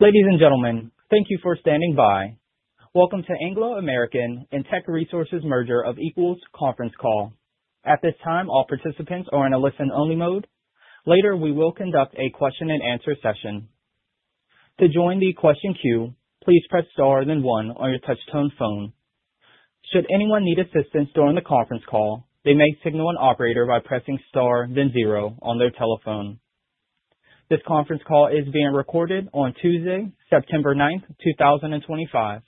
Ladies and gentlemen, thank you for standing by. Welcome to Anglo American and Teck Resources Merger of Equals Conference Call. At this time, all participants are in a listen-only mode. Later, we will conduct a question-and-answer session. To join the question queue, please press star then one on your touch-tone phone. Should anyone need assistance during the conference call, they may signal an operator by pressing star then zero on their telephone. This conference call is being recorded on Tuesday, September 9th, 2025.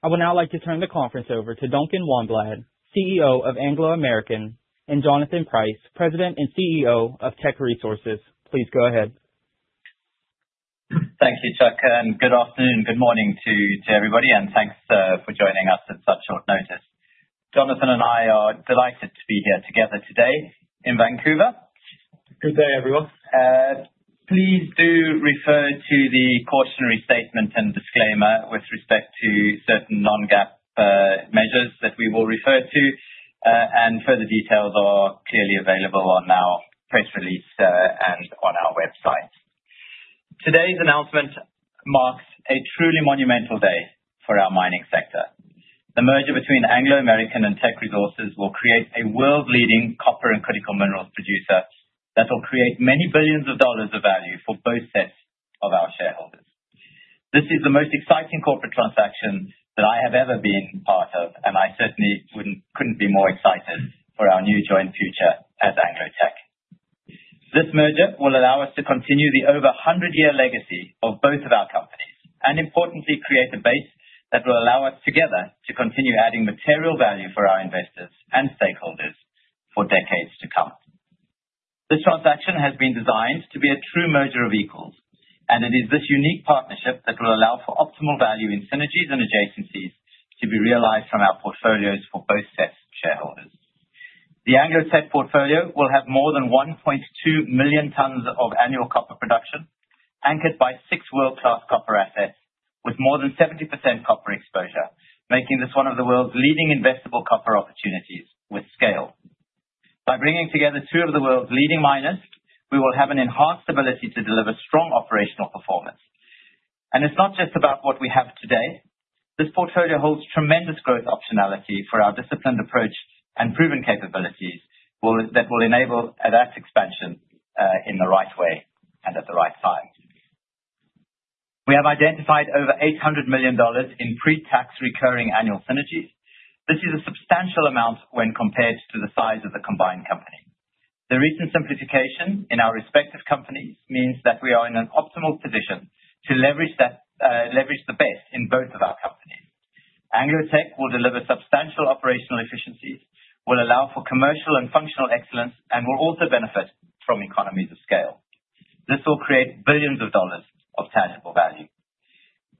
I would now like to turn the conference over to Duncan Wanblad, CEO of Anglo American, and Jonathan Price, President and CEO of Teck Resources. Please go ahead. Thank you, Chuck, and good afternoon, good morning to everybody, and thanks for joining us at such short notice. Jonathan and I are delighted to be here together today in Vancouver. Good day, everyone. Please do refer to the cautionary statement and disclaimer with respect to certain non-GAAP measures that we will refer to, and further details are clearly available on our press release and on our website. Today's announcement marks a truly monumental day for our mining sector. The merger between Anglo American and Teck Resources will create a world-leading copper and critical minerals producer that will create many billions of dollars of value for both sets of our shareholders. This is the most exciting corporate transaction that I have ever been part of, and I certainly couldn't be more excited for our new joint future as Anglo Teck. This merger will allow us to continue the over 100-year legacy of both of our companies and, importantly, create a base that will allow us together to continue adding material value for our investors and stakeholders for decades to come. This transaction has been designed to be a true merger of equals, and it is this unique partnership that will allow for optimal value in synergies and adjacencies to be realized from our portfolios for both sets of shareholders. The Anglo Teck portfolio will have more than 1.2 million tonnes of annual copper production, anchored by six world-class copper assets with more than 70% copper exposure, making this one of the world's leading investable copper opportunities with scale. By bringing together two of the world's leading miners, we will have an enhanced ability to deliver strong operational performance, and it's not just about what we have today. This portfolio holds tremendous growth optionality for our disciplined approach and proven capabilities that will enable that expansion in the right way and at the right time. We have identified over $800 million in pre-tax recurring annual synergies. This is a substantial amount when compared to the size of the combined company. The recent simplification in our respective companies means that we are in an optimal position to leverage the best in both of our companies. Anglo Teck will deliver substantial operational efficiencies, will allow for commercial and functional excellence, and will also benefit from economies of scale. This will create $ billions of tangible value.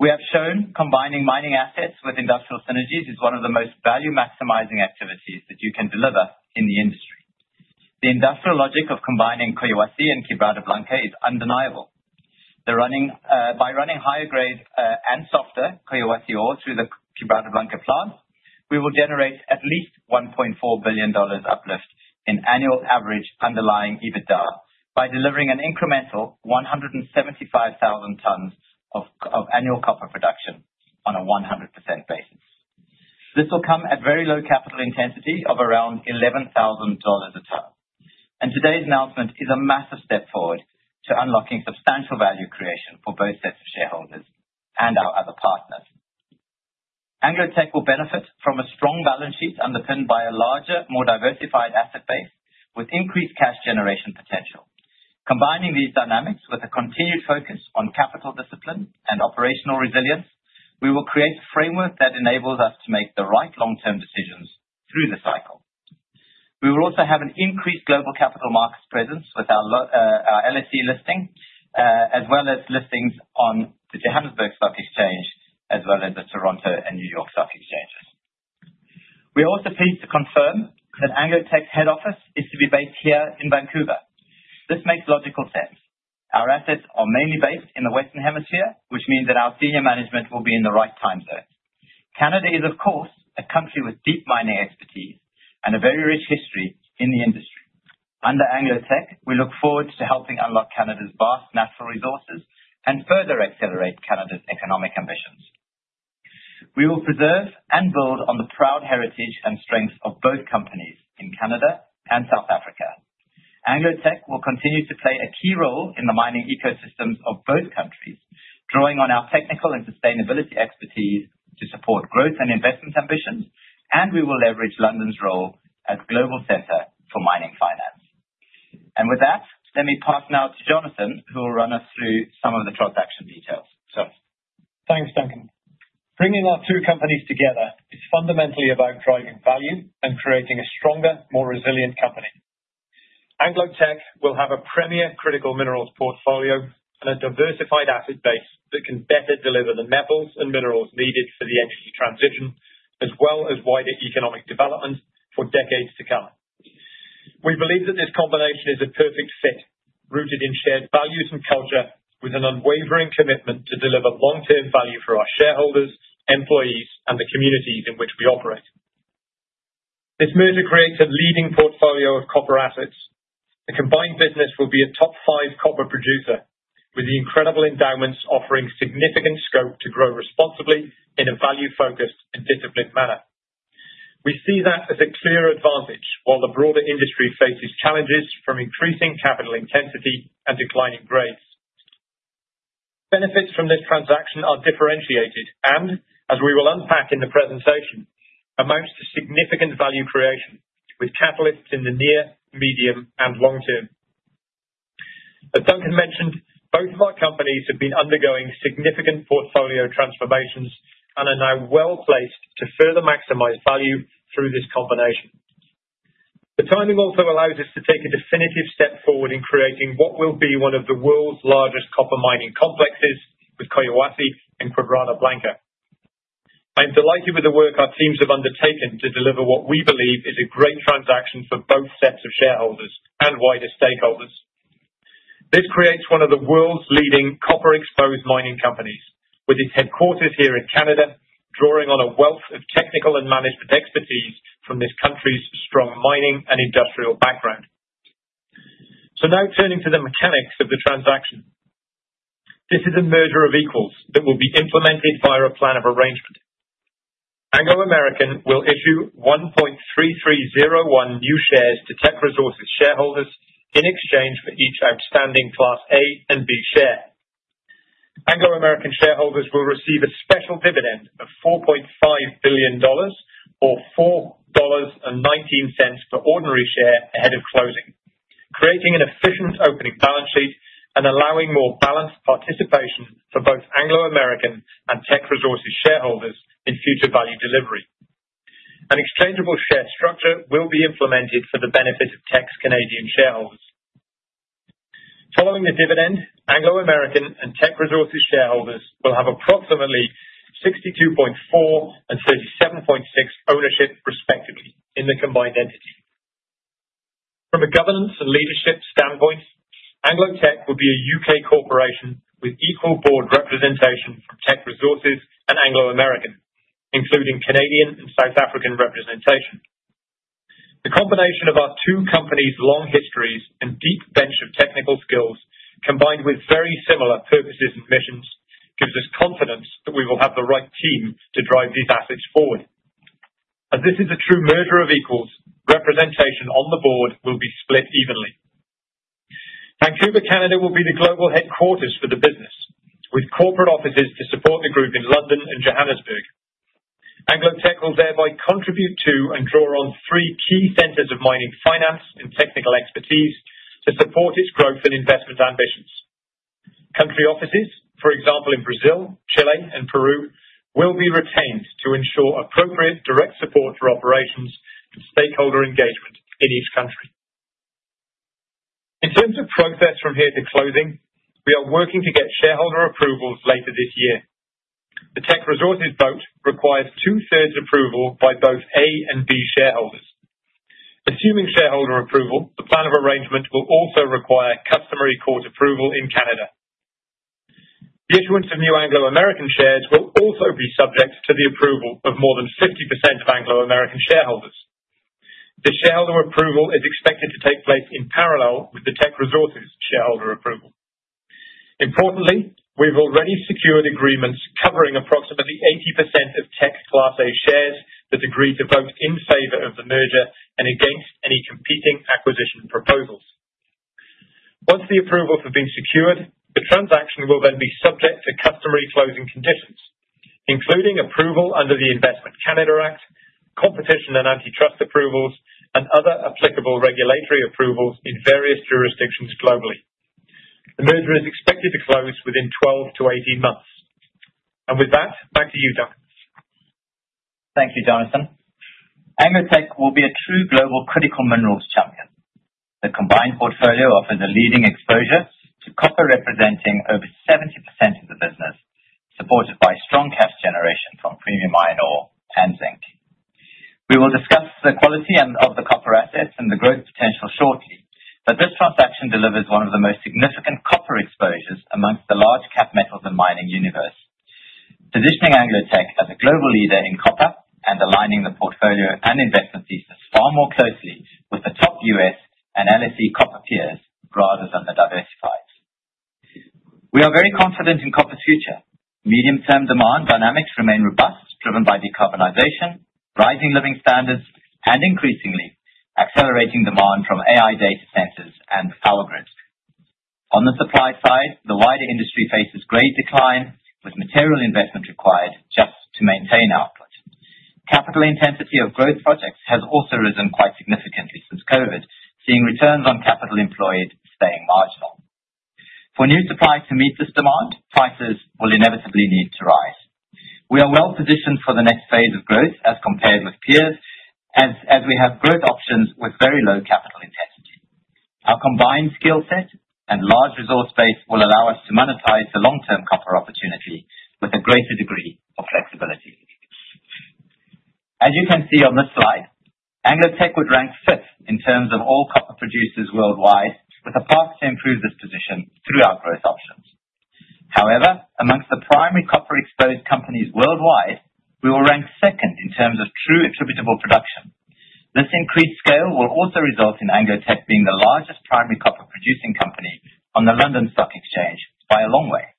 We have shown combining mining assets with industrial synergies is one of the most value-maximizing activities that you can deliver in the industry. The industrial logic of combining Collahuasi and Quebrada Blanca is undeniable. By running higher-grade and softer Collahuasi ore through the Quebrada Blanca plant, we will generate at least $1.4 billion uplift in annual average underlying EBITDA by delivering an incremental 175,000 tonnes of annual copper production on a 100% basis. This will come at very low capital intensity of around $11,000 a ton. And today's announcement is a massive step forward to unlocking substantial value creation for both sets of shareholders and our other partners. Anglo Teck will benefit from a strong balance sheet underpinned by a larger, more diversified asset base with increased cash generation potential. Combining these dynamics with a continued focus on capital discipline and operational resilience, we will create a framework that enables us to make the right long-term decisions through the cycle. We will also have an increased global capital markets presence with our LSE listing, as well as listings on the Johannesburg Stock Exchange, as well as the Toronto and New York Stock Exchanges. We are also pleased to confirm that Anglo Teck's head office is to be based here in Vancouver. This makes logical sense. Our assets are mainly based in the Western Hemisphere, which means that our senior management will be in the right time zone. Canada is, of course, a country with deep mining expertise and a very rich history in the industry. Under Anglo Teck, we look forward to helping unlock Canada's vast natural resources and further accelerate Canada's economic ambitions. We will preserve and build on the proud heritage and strength of both companies in Canada and South Africa. Anglo Teck will continue to play a key role in the mining ecosystems of both countries, drawing on our technical and sustainability expertise to support growth and investment ambitions, and we will leverage London's role as global center for mining finance. And with that, let me pass now to Jonathan, who will run us through some of the transaction details. Thanks, Duncan. Bringing our two companies together is fundamentally about driving value and creating a stronger, more resilient company. Anglo Teck will have a premier critical minerals portfolio and a diversified asset base that can better deliver the metals and minerals needed for the energy transition, as well as wider economic development for decades to come. We believe that this combination is a perfect fit, rooted in shared values and culture, with an unwavering commitment to deliver long-term value for our shareholders, employees, and the communities in which we operate. This merger creates a leading portfolio of copper assets. The combined business will be a top five copper producer, with the incredible endowments offering significant scope to grow responsibly in a value-focused and disciplined manner. We see that as a clear advantage while the broader industry faces challenges from increasing capital intensity and declining grades. Benefits from this transaction are differentiated and, as we will unpack in the presentation, among significant value creation with catalysts in the near, medium, and long term. As Duncan mentioned, both of our companies have been undergoing significant portfolio transformations and are now well placed to further maximize value through this combination. The timing also allows us to take a definitive step forward in creating what will be one of the world's largest copper mining complexes with Collahuasi and Quebrada Blanca. I am delighted with the work our teams have undertaken to deliver what we believe is a great transaction for both sets of shareholders and wider stakeholders. This creates one of the world's leading copper-exposed mining companies, with its headquarters here in Canada, drawing on a wealth of technical and management expertise from this country's strong mining and industrial background. So now turning to the mechanics of the transaction. This is a merger of equals that will be implemented via a plan of arrangement. Anglo American will issue 1.3301 new shares to Teck Resources shareholders in exchange for each outstanding Class A and B share. Anglo American shareholders will receive a special dividend of $4.5 billion, or $4.19 for ordinary share ahead of closing, creating an efficient opening balance sheet and allowing more balanced participation for both Anglo American and Teck Resources shareholders in future value delivery. An exchangeable share structure will be implemented for the benefit of Teck's Canadian shareholders. Following the dividend, Anglo American and Teck Resources shareholders will have approximately 62.4% and 37.6% ownership, respectively, in the combined entity. From a governance and leadership standpoint, Anglo Teck will be a U.K. corporation with equal board representation from Teck Resources and Anglo American, including Canadian and South African representation. The combination of our two companies' long histories and deep bench of technical skills, combined with very similar purposes and missions, gives us confidence that we will have the right team to drive these assets forward. As this is a true merger of equals, representation on the board will be split evenly. Vancouver, Canada, will be the global headquarters for the business, with corporate offices to support the group in London and Johannesburg. Anglo Teck will thereby contribute to and draw on three key centers of mining finance and technical expertise to support its growth and investment ambitions. Country offices, for example, in Brazil, Chile, and Peru, will be retained to ensure appropriate direct support for operations and stakeholder engagement in each country. In terms of process from here to closing, we are working to get shareholder approvals later this year. The Teck Resources vote requires two-thirds approval by both Class A and Class B shareholders. Assuming shareholder approval, the plan of arrangement will also require customary court approval in Canada. The issuance of new Anglo American shares will also be subject to the approval of more than 50% of Anglo American shareholders. The shareholder approval is expected to take place in parallel with the Teck Resources shareholder approval. Importantly, we've already secured agreements covering approximately 80% of Teck Class A shares that agree to vote in favor of the merger and against any competing acquisition proposals. Once the approvals have been secured, the transaction will then be subject to customary closing conditions, including approval under the Investment Canada Act, competition and antitrust approvals, and other applicable regulatory approvals in various jurisdictions globally. The merger is expected to close within 12-18 months. And with that, back to you, Duncan. Thank you, Jonathan. Anglo Teck will be a true global critical minerals champion. The combined portfolio offers a leading exposure to copper representing over 70% of the business, supported by strong cash generation from premium iron ore and zinc. We will discuss the quality of the copper assets and the growth potential shortly, but this transaction delivers one of the most significant copper exposures amongst the large cap metals and mining universe, positioning Anglo Teck as a global leader in copper and aligning the portfolio and investment thesis far more closely with the top U.S. and LSE copper peers, rather than the diversified. We are very confident in copper's future. Medium-term demand dynamics remain robust, driven by decarbonization, rising living standards, and increasingly accelerating demand from AI data centers and power grids. On the supply side, the wider industry faces great decline, with material investment required just to maintain output. Capital intensity of growth projects has also risen quite significantly since COVID, seeing returns on capital employed staying marginal. For new supply to meet this demand, prices will inevitably need to rise. We are well positioned for the next phase of growth as compared with peers, as we have growth options with very low capital intensity. Our combined skill set and large resource base will allow us to monetize the long-term copper opportunity with a greater degree of flexibility. As you can see on this slide, Anglo Teck would rank fifth in terms of all copper producers worldwide, with a path to improve this position through our growth options. However, among the primary copper-exposed companies worldwide, we will rank second in terms of true attributable production. This increased scale will also result in Anglo Teck being the largest primary copper-producing company on the London Stock Exchange by a long way,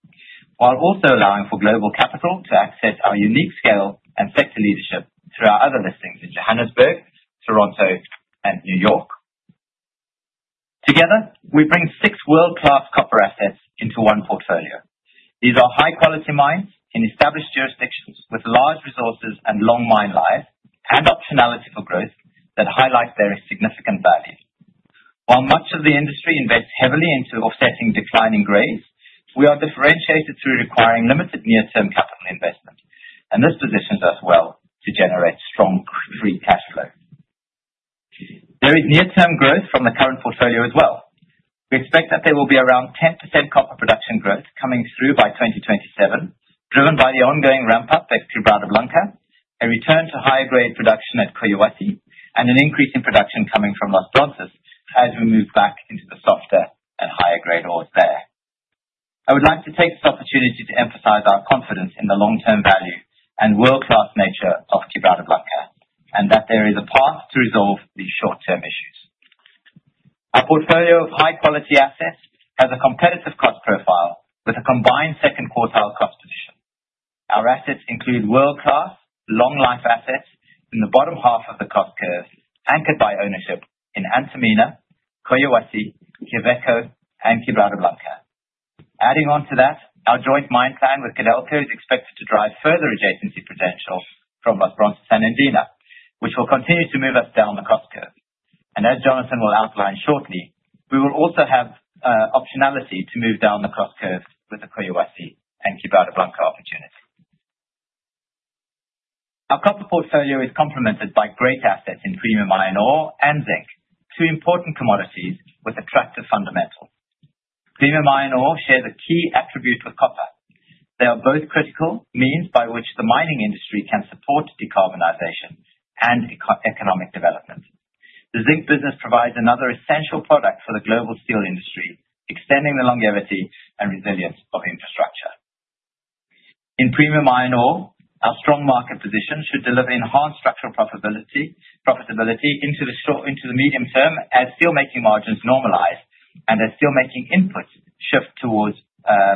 while also allowing for global capital to access our unique scale and sector leadership through our other listings in Johannesburg, Toronto, and New York. Together, we bring six world-class copper assets into one portfolio. These are high-quality mines in established jurisdictions with large resources and long mine lives and optionality for growth that highlight their significant value. While much of the industry invests heavily into offsetting declining grades, we are differentiated through requiring limited near-term capital investment, and this positions us well to generate strong free cash flow. There is near-term growth from the current portfolio as well. We expect that there will be around 10% copper production growth coming through by 2027, driven by the ongoing ramp-up at Quebrada Blanca, a return to higher-grade production at Collahuasi, and an increase in production coming from Los Bronces as we move back into the softer and higher-grade ores there. I would like to take this opportunity to emphasize our confidence in the long-term value and world-class nature of Quebrada Blanca and that there is a path to resolve these short-term issues. Our portfolio of high-quality assets has a competitive cost profile with a combined second quartile cost position. Our assets include world-class, long-life assets in the bottom half of the cost curve, anchored by ownership in Antamina, Collahuasi, Quellaveco, and Quebrada Blanca. Adding on to that, our joint mine plan with Codelco is expected to drive further adjacency potential from Los Bronces and Andina, which will continue to move us down the cost curve, and as Jonathan will outline shortly, we will also have optionality to move down the cost curve with the Collahuasi and Quebrada Blanca opportunity. Our copper portfolio is complemented by great assets in premium iron ore and zinc, two important commodities with attractive fundamentals. Premium iron ore shares a key attribute with copper. They are both critical means by which the mining industry can support decarbonization and economic development. The zinc business provides another essential product for the global steel industry, extending the longevity and resilience of infrastructure. In premium iron ore, our strong market position should deliver enhanced structural profitability into the medium term as steelmaking margins normalize and as steelmaking inputs shift towards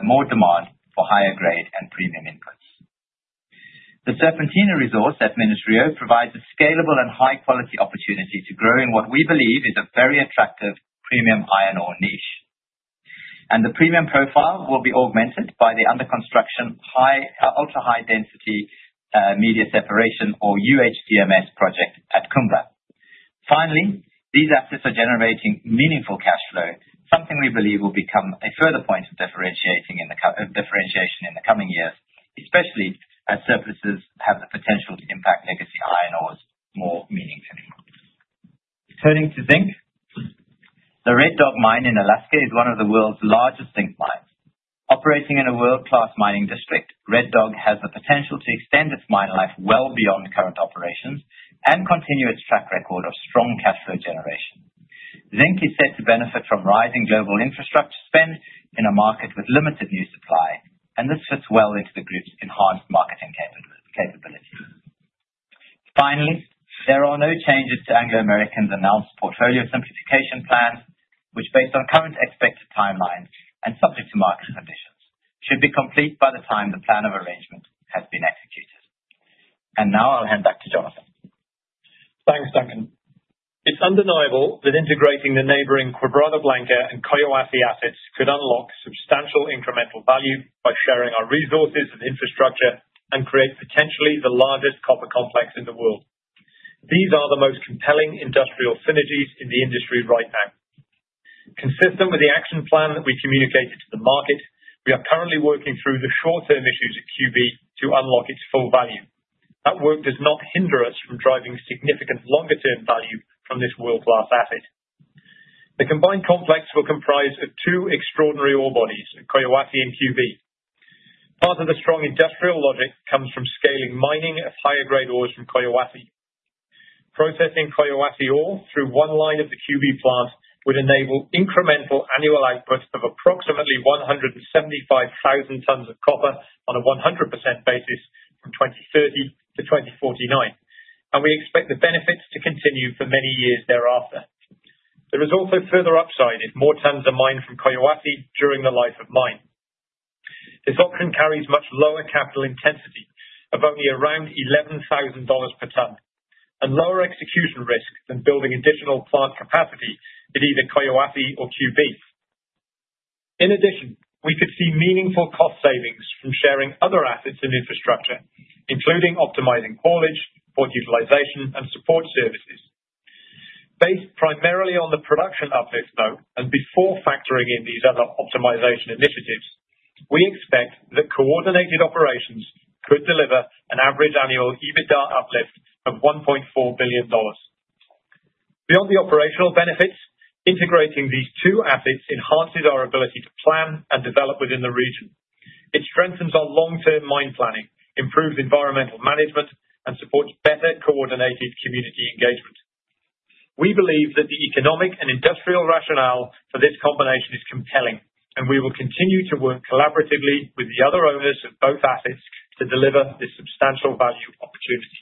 more demand for higher-grade and premium inputs. The Serpentina resource at Minas-Rio provides a scalable and high-quality opportunity to grow in what we believe is a very attractive premium iron ore niche, and the premium profile will be augmented by the under construction ultra-high-density media separation, or UHDMS, project at Kumba. Finally, these assets are generating meaningful cash flow, something we believe will become a further point of differentiation in the coming years, especially as surcharges have the potential to impact legacy iron ores more meaningfully. Turning to zinc, the Red Dog mine in Alaska is one of the world's largest zinc mines. Operating in a world-class mining district, Red Dog has the potential to extend its mine life well beyond current operations and continue its track record of strong cash flow generation. Zinc is set to benefit from rising global infrastructure spend in a market with limited new supply, and this fits well into the group's enhanced marketing capability. Finally, there are no changes to Anglo American's announced portfolio simplification plans, which, based on current expected timelines and subject to market conditions, should be complete by the time the plan of arrangement has been executed. And now I'll hand back to Jonathan. Thanks, Duncan. It's undeniable that integrating the neighboring Quebrada Blanca and Collahuasi assets could unlock substantial incremental value by sharing our resources and infrastructure and create potentially the largest copper complex in the world. These are the most compelling industrial synergies in the industry right now. Consistent with the action plan that we communicated to the market, we are currently working through the short-term issues at QB to unlock its full value. That work does not hinder us from driving significant longer-term value from this world-class asset. The combined complex will comprise of two extraordinary ore bodies at Collahuasi and QB. Part of the strong industrial logic comes from scaling mining of higher-grade ores from Collahuasi. Processing Collahuasi ore through one line of the QB plant would enable incremental annual outputs of approximately 175,000 tonnes of copper on a 100% basis from 2030 to 2049, and we expect the benefits to continue for many years thereafter. There is also further upside if more tonnes are mined from Collahuasi during the life of mine. This option carries much lower capital intensity of only around $11,000 per ton and lower execution risk than building additional plant capacity at either Collahuasi or QB. In addition, we could see meaningful cost savings from sharing other assets and infrastructure, including optimizing haulage, port utilization, and support services. Based primarily on the production uplift, though, and before factoring in these other optimization initiatives, we expect that coordinated operations could deliver an average annual EBITDA uplift of $1.4 billion. Beyond the operational benefits, integrating these two assets enhances our ability to plan and develop within the region. It strengthens our long-term mine planning, improves environmental management, and supports better coordinated community engagement. We believe that the economic and industrial rationale for this combination is compelling, and we will continue to work collaboratively with the other owners of both assets to deliver this substantial value opportunity.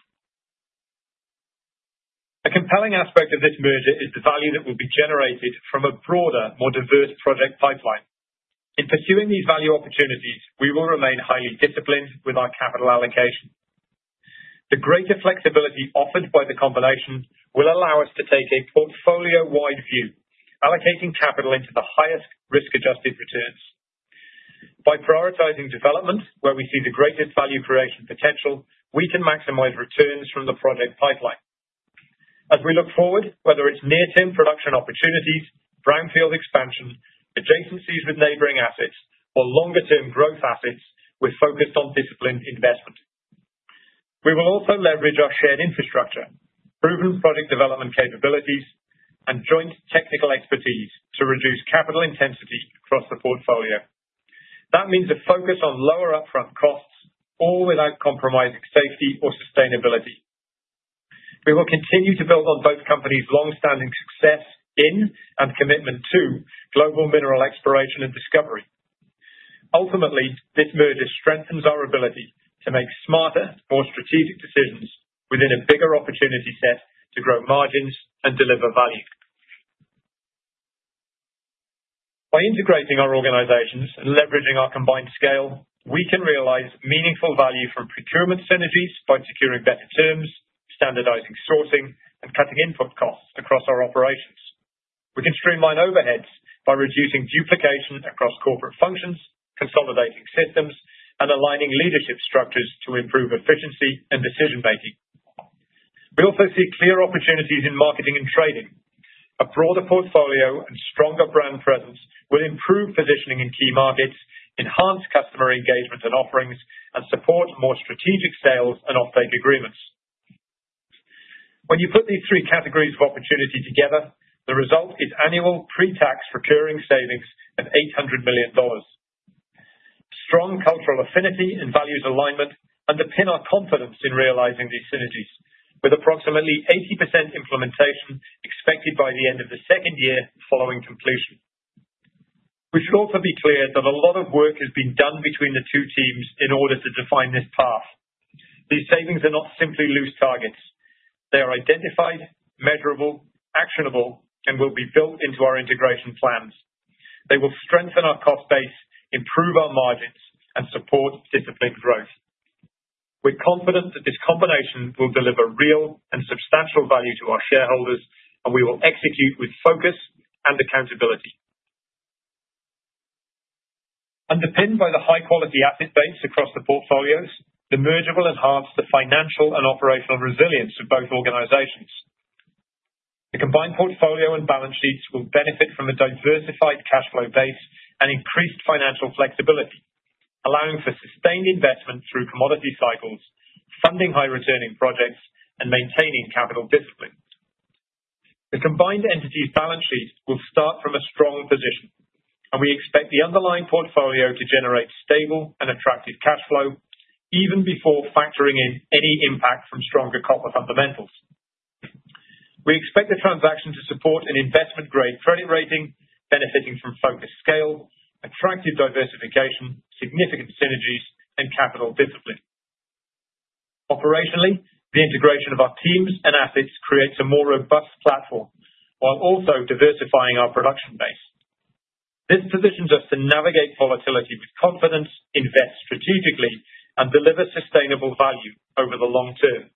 A compelling aspect of this merger is the value that will be generated from a broader, more diverse project pipeline. In pursuing these value opportunities, we will remain highly disciplined with our capital allocation. The greater flexibility offered by the combination will allow us to take a portfolio-wide view, allocating capital into the highest risk-adjusted returns. By prioritizing development where we see the greatest value creation potential, we can maximize returns from the project pipeline. As we look forward, whether it's near-term production opportunities, brownfield expansion, adjacencies with neighboring assets, or longer-term growth assets, we're focused on disciplined investment. We will also leverage our shared infrastructure, proven project development capabilities, and joint technical expertise to reduce capital intensity across the portfolio. That means a focus on lower upfront costs all without compromising safety or sustainability. We will continue to build on both companies' long-standing success in and commitment to global mineral exploration and discovery. Ultimately, this merger strengthens our ability to make smarter, more strategic decisions within a bigger opportunity set to grow margins and deliver value. By integrating our organizations and leveraging our combined scale, we can realize meaningful value from procurement synergies by securing better terms, standardizing sourcing, and cutting input costs across our operations. We can streamline overheads by reducing duplication across corporate functions, consolidating systems, and aligning leadership structures to improve efficiency and decision-making. We also see clear opportunities in marketing and trading. A broader portfolio and stronger brand presence will improve positioning in key markets, enhance customer engagement and offerings, and support more strategic sales and off-take agreements. When you put these three categories of opportunity together, the result is annual pre-tax recurring savings of $800 million. Strong cultural affinity and values alignment underpin our confidence in realizing these synergies, with approximately 80% implementation expected by the end of the second year following completion. We should also be clear that a lot of work has been done between the two teams in order to define this path. These savings are not simply loose targets. They are identified, measurable, actionable, and will be built into our integration plans. They will strengthen our cost base, improve our margins, and support disciplined growth. We're confident that this combination will deliver real and substantial value to our shareholders, and we will execute with focus and accountability. Underpinned by the high-quality asset base across the portfolios, the merger will enhance the financial and operational resilience of both organizations. The combined portfolio and balance sheets will benefit from a diversified cash flow base and increased financial flexibility, allowing for sustained investment through commodity cycles, funding high-returning projects, and maintaining capital discipline. The combined entities' balance sheets will start from a strong position, and we expect the underlying portfolio to generate stable and attractive cash flow even before factoring in any impact from stronger copper fundamentals. We expect the transaction to support an investment-grade credit rating, benefiting from focused scale, attractive diversification, significant synergies, and capital discipline. Operationally, the integration of our teams and assets creates a more robust platform while also diversifying our production base. This positions us to navigate volatility with confidence, invest strategically, and deliver sustainable value over the long term.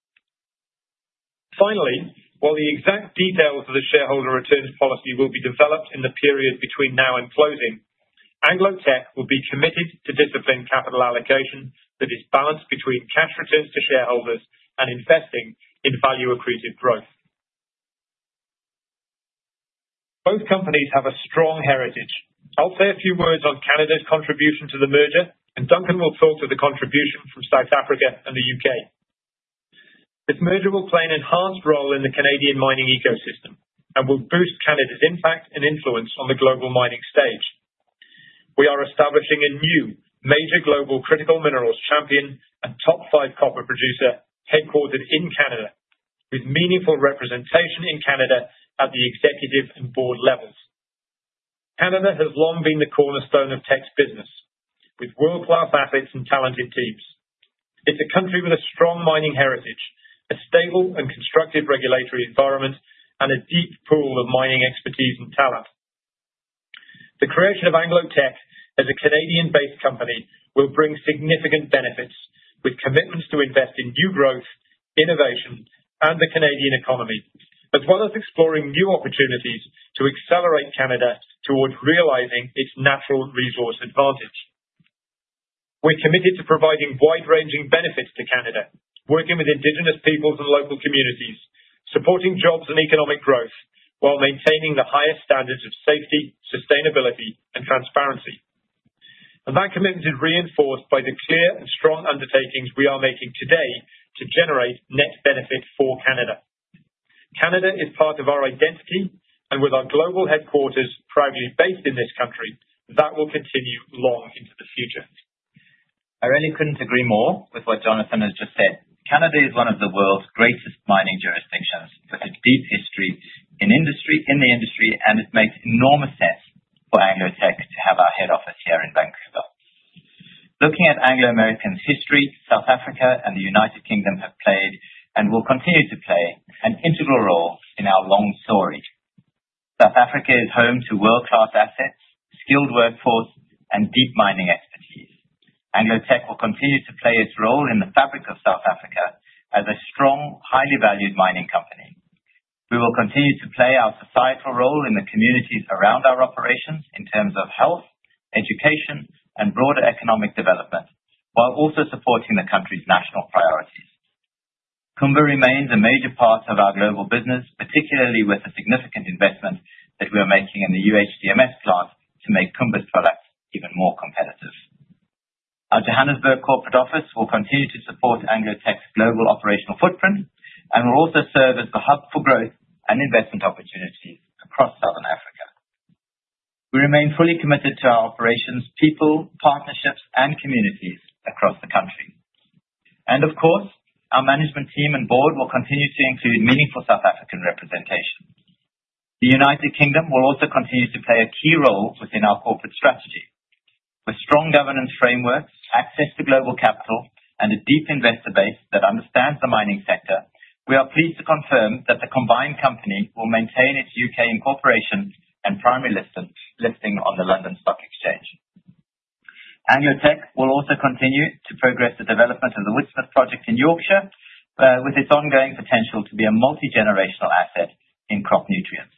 Finally, while the exact details of the shareholder returns policy will be developed in the period between now and closing, Anglo Teck will be committed to disciplined capital allocation that is balanced between cash returns to shareholders and investing in value-accretive growth. Both companies have a strong heritage. I'll say a few words on Canada's contribution to the merger, and Duncan will talk to the contribution from South Africa and the U.K. This merger will play an enhanced role in the Canadian mining ecosystem and will boost Canada's impact and influence on the global mining stage. We are establishing a new major global critical minerals champion and top five copper producer headquartered in Canada, with meaningful representation in Canada at the executive and board levels. Canada has long been the cornerstone of Teck business, with world-class assets and talented teams. It's a country with a strong mining heritage, a stable and constructive regulatory environment, and a deep pool of mining expertise and talent. The creation of Anglo Teck as a Canadian-based company will bring significant benefits, with commitments to invest in new growth, innovation, and the Canadian economy, as well as exploring new opportunities to accelerate Canada towards realizing its natural resource advantage. We're committed to providing wide-ranging benefits to Canada, working with Indigenous peoples and local communities, supporting jobs and economic growth while maintaining the highest standards of safety, sustainability, and transparency. That commitment is reinforced by the clear and strong undertakings we are making today to generate net benefit for Canada. Canada is part of our identity, and with our global headquarters proudly based in this country, that will continue long into the future. I really couldn't agree more with what Jonathan has just said. Canada is one of the world's greatest mining jurisdictions with a deep history in the industry, and it makes enormous sense for Anglo Teck to have our head office here in Vancouver. Looking at Anglo American's history, South Africa and the United Kingdom have played, and will continue to play, an integral role in our long story. South Africa is home to world-class assets, skilled workforce, and deep mining expertise. Anglo Teck will continue to play its role in the fabric of South Africa as a strong, highly valued mining company. We will continue to play our societal role in the communities around our operations in terms of health, education, and broader economic development, while also supporting the country's national priorities. Kumba remains a major part of our global business, particularly with the significant investment that we are making in the UHDMS plant to make Kumba's products even more competitive. Our Johannesburg corporate office will continue to support Anglo Teck's global operational footprint and will also serve as the hub for growth and investment opportunities across Southern Africa. We remain fully committed to our operations, people, partnerships, and communities across the country, and of course, our management team and board will continue to include meaningful South African representation. The United Kingdom will also continue to play a key role within our corporate strategy. With strong governance frameworks, access to global capital, and a deep investor base that understands the mining sector, we are pleased to confirm that the combined company will maintain its U.K. incorporation and primary listing on the London Stock Exchange. Anglo Teck will also continue to progress the development of the Woodsmith project in Yorkshire, with its ongoing potential to be a multi-generational asset in crop nutrients,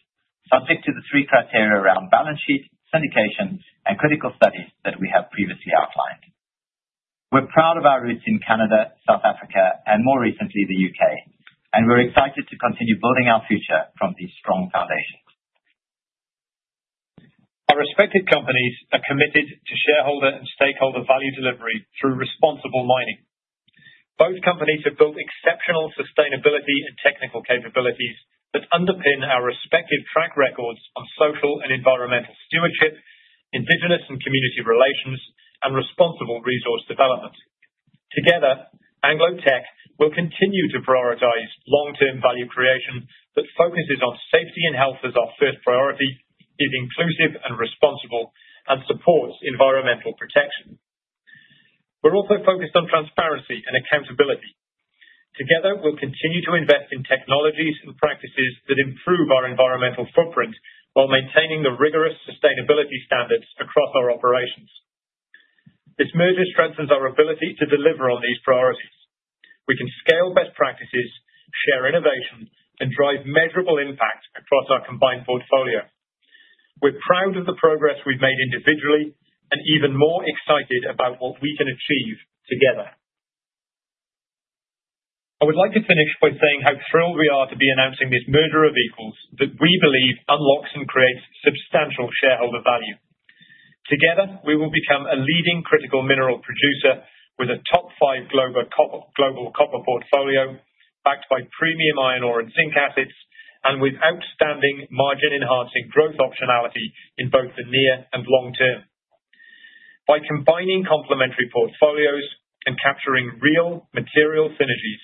subject to the three criteria around balance sheet, syndication, and critical studies that we have previously outlined. We're proud of our roots in Canada, South Africa, and more recently the U.K., and we're excited to continue building our future from these strong foundations. Our respected companies are committed to shareholder and stakeholder value delivery through responsible mining. Both companies have built exceptional sustainability and technical capabilities that underpin our respective track records on social and environmental stewardship, indigenous and community relations, and responsible resource development. Together, Anglo and Teck will continue to prioritize long-term value creation that focuses on safety and health as our first priority, is inclusive and responsible, and supports environmental protection. We're also focused on transparency and accountability. Together, we'll continue to invest in technologies and practices that improve our environmental footprint while maintaining the rigorous sustainability standards across our operations. This merger strengthens our ability to deliver on these priorities. We can scale best practices, share innovation, and drive measurable impact across our combined portfolio. We're proud of the progress we've made individually and even more excited about what we can achieve together. I would like to finish by saying how thrilled we are to be announcing this merger of equals that we believe unlocks and creates substantial shareholder value. Together, we will become a leading critical mineral producer with a top five global copper portfolio backed by premium iron ore and zinc assets and with outstanding margin-enhancing growth optionality in both the near and long term. By combining complementary portfolios and capturing real material synergies,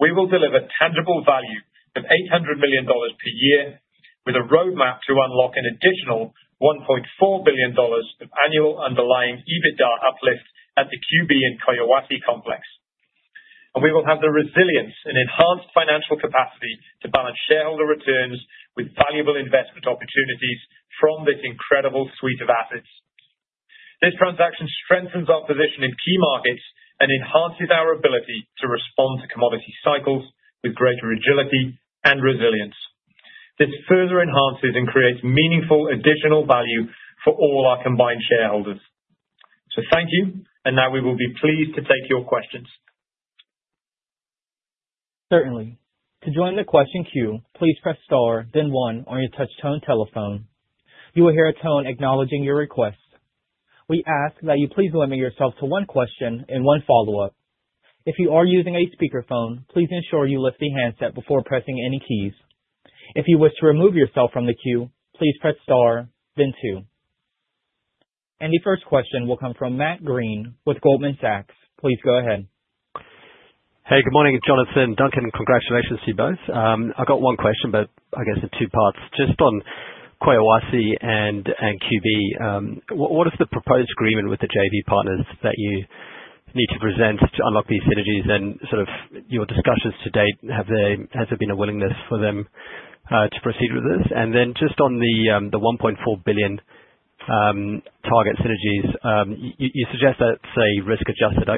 we will deliver tangible value of $800 million per year with a roadmap to unlock an additional $1.4 billion of annual underlying EBITDA uplift at the QB and Collahuasi complex, and we will have the resilience and enhanced financial capacity to balance shareholder returns with valuable investment opportunities from this incredible suite of assets. This transaction strengthens our position in key markets and enhances our ability to respond to commodity cycles with greater agility and resilience. This further enhances and creates meaningful additional value for all our combined shareholders. So thank you, and now we will be pleased to take your questions. Certainly. To join the question queue, please press star, then one, or your touch-tone telephone. You will hear a tone acknowledging your request. We ask that you please limit yourself to one question and one follow-up. If you are using a speakerphone, please ensure you lift the handset before pressing any keys. If you wish to remove yourself from the queue, please press star, then two. The first question will come from Matt Greene with Goldman Sachs. Please go ahead. Hey, good morning, Jonathan. Duncan, congratulations to you both. I've got one question, but I guess in two parts. Just on Collahuasi and QB, what is the proposed agreement with the JV partners that you need to present to unlock these synergies? And sort of your discussions to date, has there been a willingness for them to proceed with this? And then just on the $1.4 billion target synergies, you suggest that's a risk-adjusted.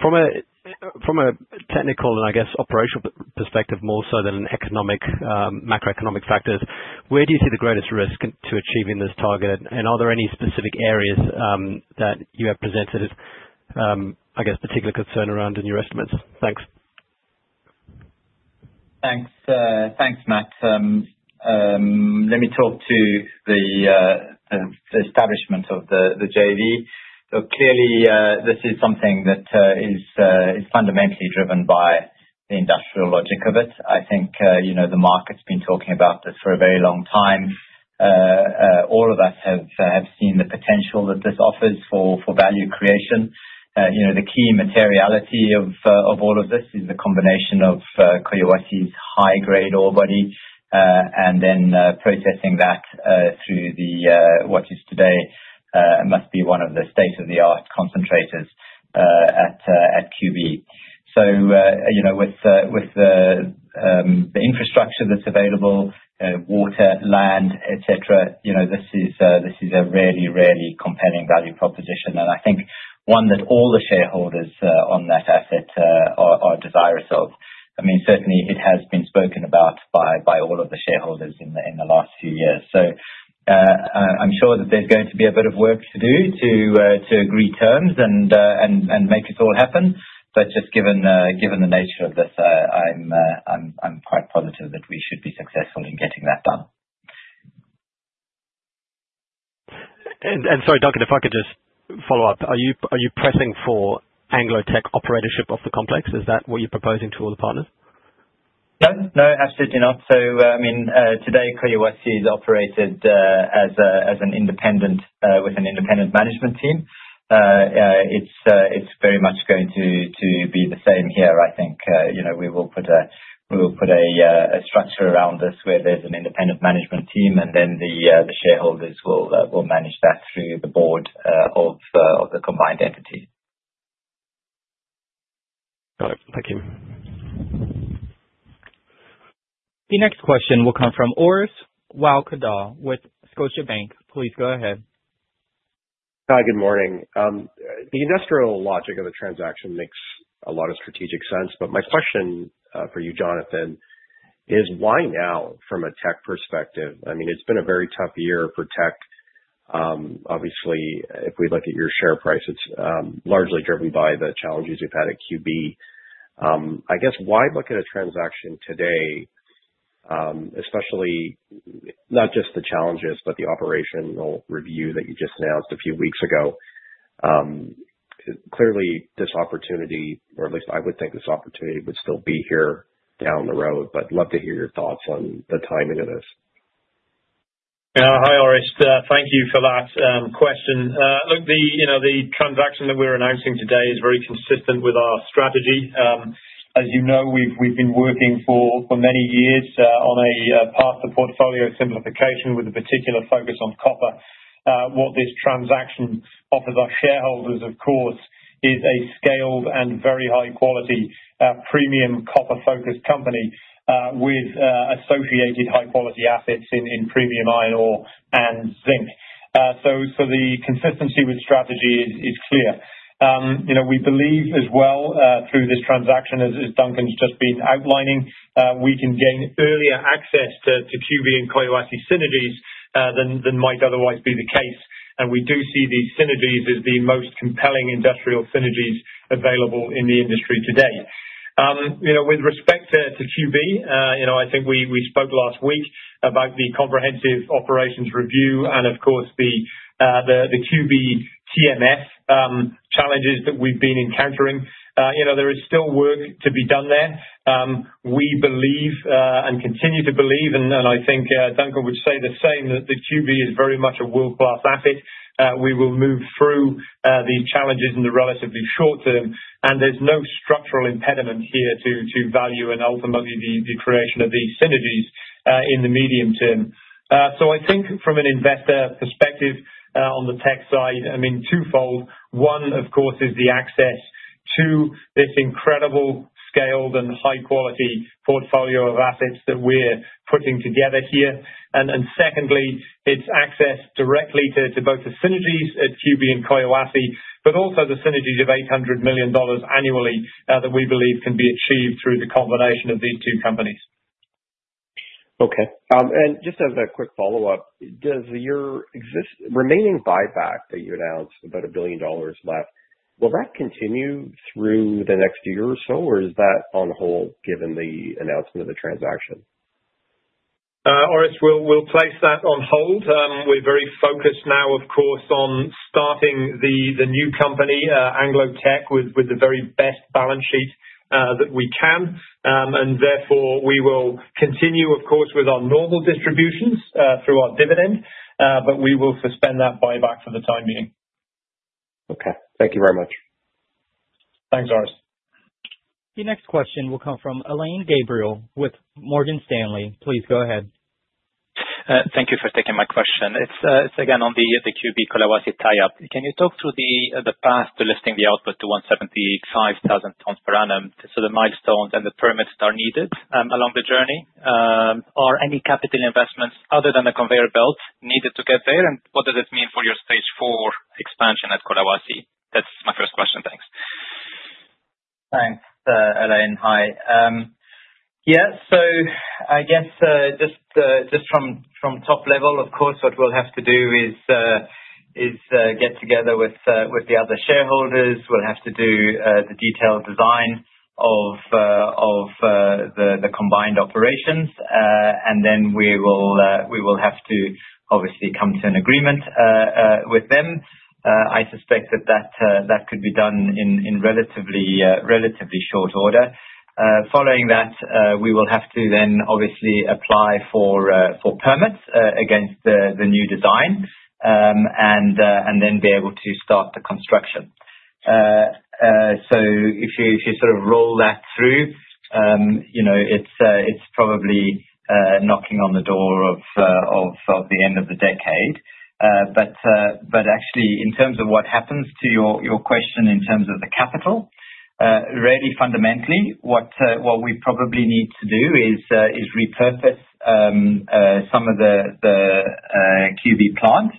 From a technical and, I guess, operational perspective, more so than an economic, macroeconomic factors, where do you see the greatest risk to achieving this target? And are there any specific areas that you have presented as, I guess, particular concern around in your estimates? Thanks. Thanks, Matt. Let me talk to the establishment of the JV. Clearly, this is something that is fundamentally driven by the industrial logic of it. I think the market's been talking about this for a very long time. All of us have seen the potential that this offers for value creation. The key materiality of all of this is the combination of Collahuasi's high-grade ore body and then processing that through what is today must be one of the state-of-the-art concentrators at QB. So with the infrastructure that's available, water, land, etc., this is a really, really compelling value proposition, and I think one that all the shareholders on that asset are desirous of. I mean, certainly, it has been spoken about by all of the shareholders in the last few years. So I'm sure that there's going to be a bit of work to do to agree terms and make this all happen. But just given the nature of this, I'm quite positive that we should be successful in getting that done. Sorry, Duncan, if I could just follow up. Are you pressing for Anglo Teck operatorship of the complex? Is that what you're proposing to all the partners? No, no, absolutely not. So I mean, today, Collahuasi is operated as an independent with an independent management team. It's very much going to be the same here. I think we will put a structure around this where there's an independent management team, and then the shareholders will manage that through the board of the combined entity. Got it. Thank you. The next question will come from Orest Wowkodaw with Scotiabank. Please go ahead. Hi, good morning. The industrial logic of the transaction makes a lot of strategic sense, but my question for you, Jonathan, is why now from a Teck perspective? I mean, it's been a very tough year for Teck. Obviously, if we look at your share price, it's largely driven by the challenges we've had at QB. I guess why look at a transaction today, especially not just the challenges, but the operational review that you just announced a few weeks ago? Clearly, this opportunity, or at least I would think this opportunity would still be here down the road, but love to hear your thoughts on the timing of this. Hi, Orest. Thank you for that question. Look, the transaction that we're announcing today is very consistent with our strategy. As you know, we've been working for many years on a path to portfolio simplification with a particular focus on copper. What this transaction offers our shareholders, of course, is a scaled and very high-quality premium copper-focused company with associated high-quality assets in premium iron ore and zinc. So the consistency with strategy is clear. We believe as well through this transaction, as Duncan's just been outlining, we can gain earlier access to QB and Collahuasi synergies than might otherwise be the case. And we do see these synergies as the most compelling industrial synergies available in the industry today. With respect to QB, I think we spoke last week about the comprehensive operations review and, of course, the QB TMF challenges that we've been encountering. There is still work to be done there. We believe and continue to believe, and I think Duncan would say the same, that the QB is very much a world-class asset. We will move through these challenges in the relatively short term, and there's no structural impediment here to value and ultimately the creation of these synergies in the medium term, so I think from an investor perspective on the Teck side, I mean, twofold. One, of course, is the access to this incredible scaled and high-quality portfolio of assets that we're putting together here, and secondly, it's access directly to both the synergies at QB and Collahuasi, but also the synergies of $800 million annually that we believe can be achieved through the combination of these two companies. Okay. And just as a quick follow-up, does your remaining buyback that you announced about $1 billion left, will that continue through the next year or so, or is that on hold given the announcement of the transaction? Orest, we'll place that on hold. We're very focused now, of course, on starting the new company, Anglo Teck, with the very best balance sheet that we can, and therefore, we will continue, of course, with our normal distributions through our dividend, but we will suspend that buyback for the time being. Okay. Thank you very much. Thanks, Orest. The next question will come from Alain Gabriel with Morgan Stanley. Please go ahead. Thank you for taking my question. It's again on the QB Collahuasi tie-up. Can you talk through the path to lifting the output to 175,000 tonnes per annum? So the milestones and the permits that are needed along the journey, are any capital investments other than the conveyor belt needed to get there? And what does it mean for your stage four expansion at Collahuasi? That's my first question. Thanks. Thanks, Alain. Hi. Yeah, so I guess just from top level, of course, what we'll have to do is get together with the other shareholders. We'll have to do the detailed design of the combined operations, and then we will have to obviously come to an agreement with them. I suspect that that could be done in relatively short order. Following that, we will have to then obviously apply for permits against the new design and then be able to start the construction. So if you sort of roll that through, it's probably knocking on the door of the end of the decade. But actually, in terms of what happens to your question in terms of the capital, really fundamentally, what we probably need to do is repurpose some of the QB plant.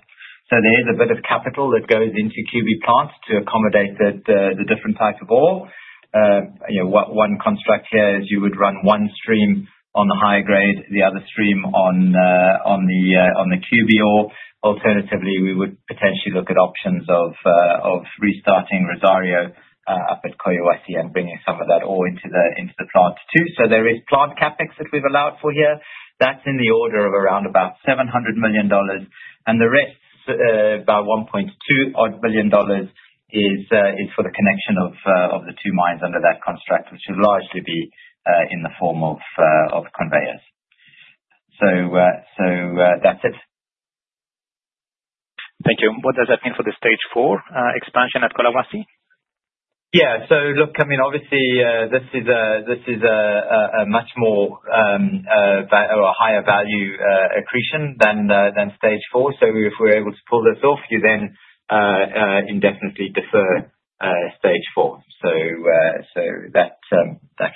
There is a bit of capital that goes into QB plant to accommodate the different type of ore. One construct here is you would run one stream on the high grade, the other stream on the QB ore. Alternatively, we would potentially look at options of restarting Rosario up at Collahuasi and bringing some of that ore into the plant too. There is plant CapEx that we've allowed for here. That's in the order of around about $700 million, and the rest, about $1.2 billion, is for the connection of the two mines under that construct, which will largely be in the form of conveyors. That's it. Thank you. What does that mean for the stage four expansion at Collahuasi? Yeah. So look, I mean, obviously, this is a much more higher value accretion than stage four. So if we're able to pull this off, you then indefinitely defer stage four. So that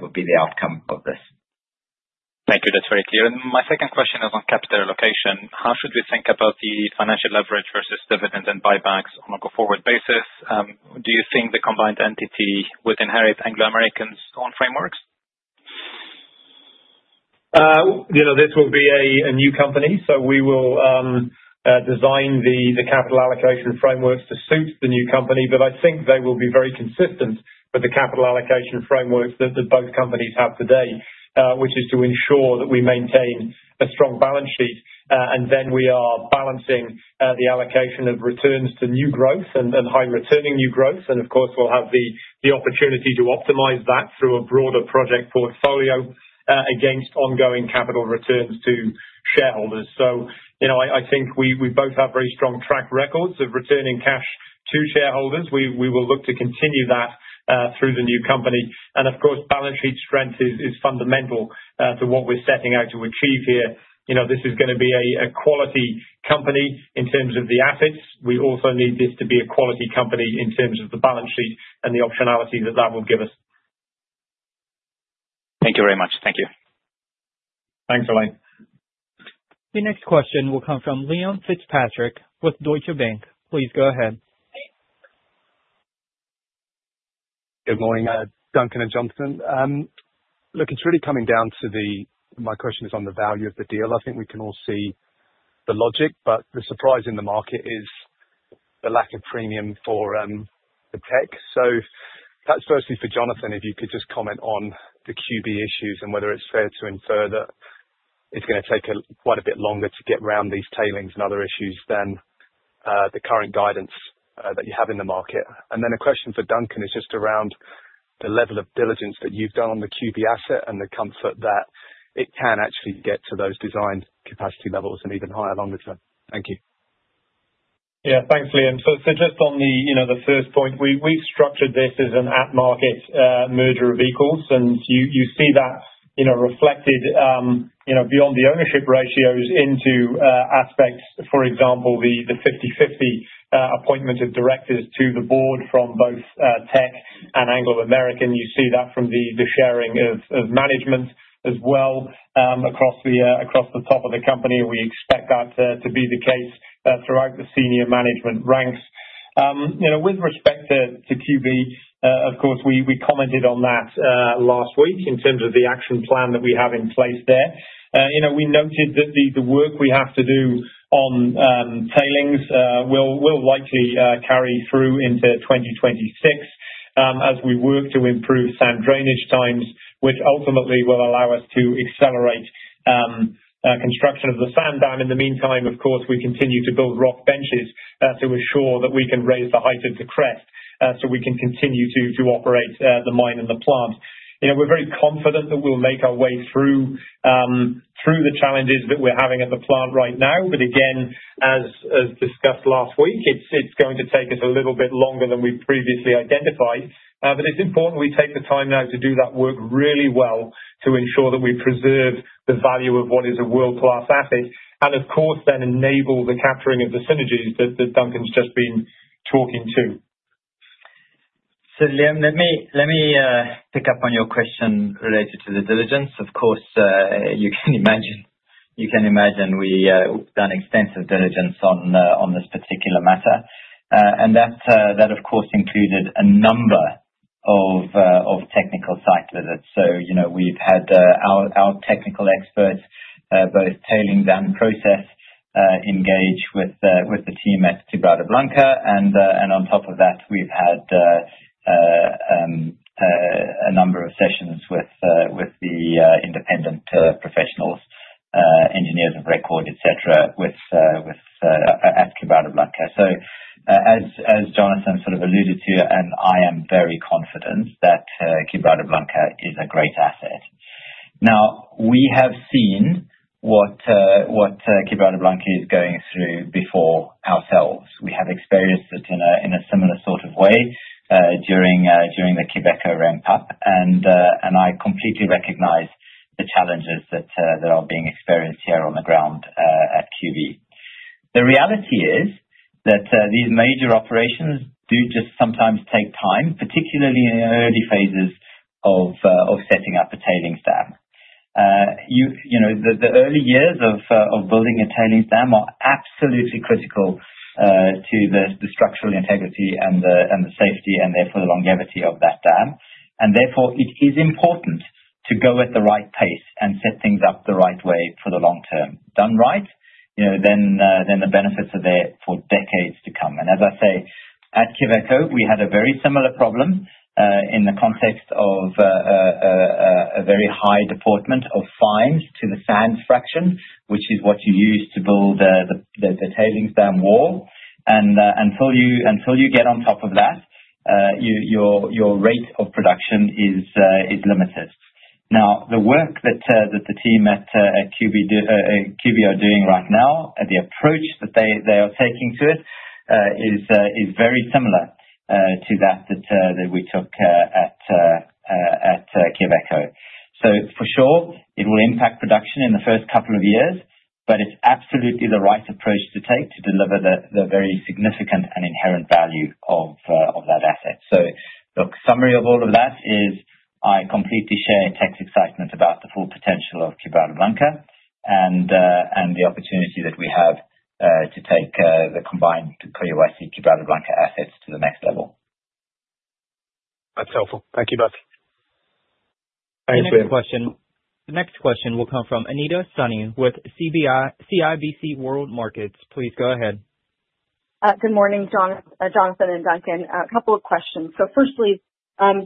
would be the outcome of this. Thank you. That's very clear. And my second question is on capital allocation. How should we think about the financial leverage versus dividends and buybacks on a go forward basis? Do you think the combined entity would inherit Anglo American's own frameworks? This will be a new company, so we will design the capital allocation frameworks to suit the new company, but I think they will be very consistent with the capital allocation frameworks that both companies have today, which is to ensure that we maintain a strong balance sheet, and then we are balancing the allocation of returns to new growth and high returning new growth, and of course, we'll have the opportunity to optimize that through a broader project portfolio against ongoing capital returns to shareholders, so I think we both have very strong track records of returning cash to shareholders. We will look to continue that through the new company, and of course, balance sheet strength is fundamental to what we're setting out to achieve here. This is going to be a quality company in terms of the assets. We also need this to be a quality company in terms of the balance sheet and the optionality that that will give us. Thank you very much. Thank you. Thanks, Alain. The next question will come from Liam Fitzpatrick with Deutsche Bank. Please go ahead. Good morning, Duncan and Jonathan. Look, it's really coming down to. My question is on the value of the deal. I think we can all see the logic, but the surprise in the market is the lack of premium for Teck. So perhaps firstly for Jonathan, if you could just comment on the QB issues and whether it's fair to infer that it's going to take quite a bit longer to get around these tailings and other issues than the current guidance that you have in the market. And then a question for Duncan is just around the level of diligence that you've done on the QB asset and the comfort that it can actually get to those design capacity levels and even higher longer term. Thank you. Yeah, thanks, Liam, so just on the first point, we've structured this as an at-market merger of equals, and you see that reflected beyond the ownership ratios into aspects, for example, the 50/50 appointment of directors to the board from both Teck and Anglo American. You see that from the sharing of management as well across the top of the company. We expect that to be the case throughout the senior management ranks. With respect to QB, of course, we commented on that last week in terms of the action plan that we have in place there. We noted that the work we have to do on tailings will likely carry through into 2026 as we work to improve sand drainage times, which ultimately will allow us to accelerate construction of the sand dam. In the meantime, of course, we continue to build rock benches to ensure that we can raise the height of the crest so we can continue to operate the mine and the plant. We're very confident that we'll make our way through the challenges that we're having at the plant right now. But again, as discussed last week, it's going to take us a little bit longer than we've previously identified. But it's important we take the time now to do that work really well to ensure that we preserve the value of what is a world-class asset and, of course, then enable the capturing of the synergies that Duncan's just been talking to. Liam, let me pick up on your question related to the diligence. Of course, you can imagine we've done extensive diligence on this particular matter. And that, of course, included a number of technical site visits. So we've had our technical experts, both tailings and process, engage with the team at Quebrada Blanca. And on top of that, we've had a number of sessions with the independent professionals, engineers of record, etc., at Quebrada Blanca. So as Jonathan sort of alluded to, and I am very confident that Quebrada Blanca is a great asset. Now, we have seen what Quebrada Blanca is going through before ourselves. We have experienced it in a similar sort of way during the Quellaveco ramp-up, and I completely recognize the challenges that are being experienced here on the ground at QB. The reality is that these major operations do just sometimes take time, particularly in the early phases of setting up a tailings dam. The early years of building a tailings dam are absolutely critical to the structural integrity and the safety and therefore the longevity of that dam, and therefore it is important to go at the right pace and set things up the right way for the long term. Done right, then the benefits are there for decades to come, and as I say, at Quellaveco, we had a very similar problem in the context of a very high deportment of fines to the sand fraction, which is what you use to build the tailings dam wall. And until you get on top of that, your rate of production is limited. Now, the work that the team at QB are doing right now, the approach that they are taking to it, is very similar to that that we took at Quellaveco. So for sure, it will impact production in the first couple of years, but it's absolutely the right approach to take to deliver the very significant and inherent value of that asset. So look, summary of all of that is I completely share Teck's excitement about the full potential of Quebrada Blanca and the opportunity that we have to take the combined Collahuasi-Quebrada Blanca assets to the next level. That's helpful. Thank you both. Thank you. The next question will come from Anita Soni with CIBC World Markets. Please go ahead. Good morning, Jonathan and Duncan. A couple of questions. Firstly,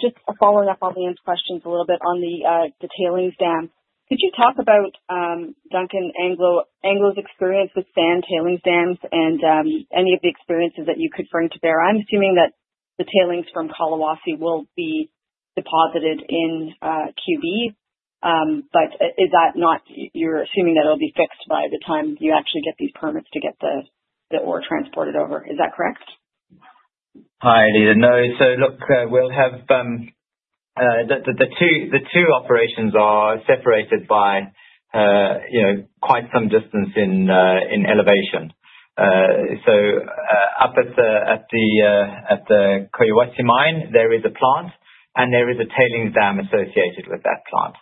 just following up on Liam's questions a little bit on the tailings dam, could you talk about, Duncan, Anglo's experience with sand tailings dams and any of the experiences that you could bring to bear? I'm assuming that the tailings from Collahuasi will be deposited in QB, but is that not what you're assuming that it'll be fixed by the time you actually get these permits to get the ore transported over? Is that correct? Hi, Anita. No. So look, we'll have the two operations are separated by quite some distance in elevation. So up at the Collahuasi mine, there is a plant, and there is a tailings dam associated with that plant.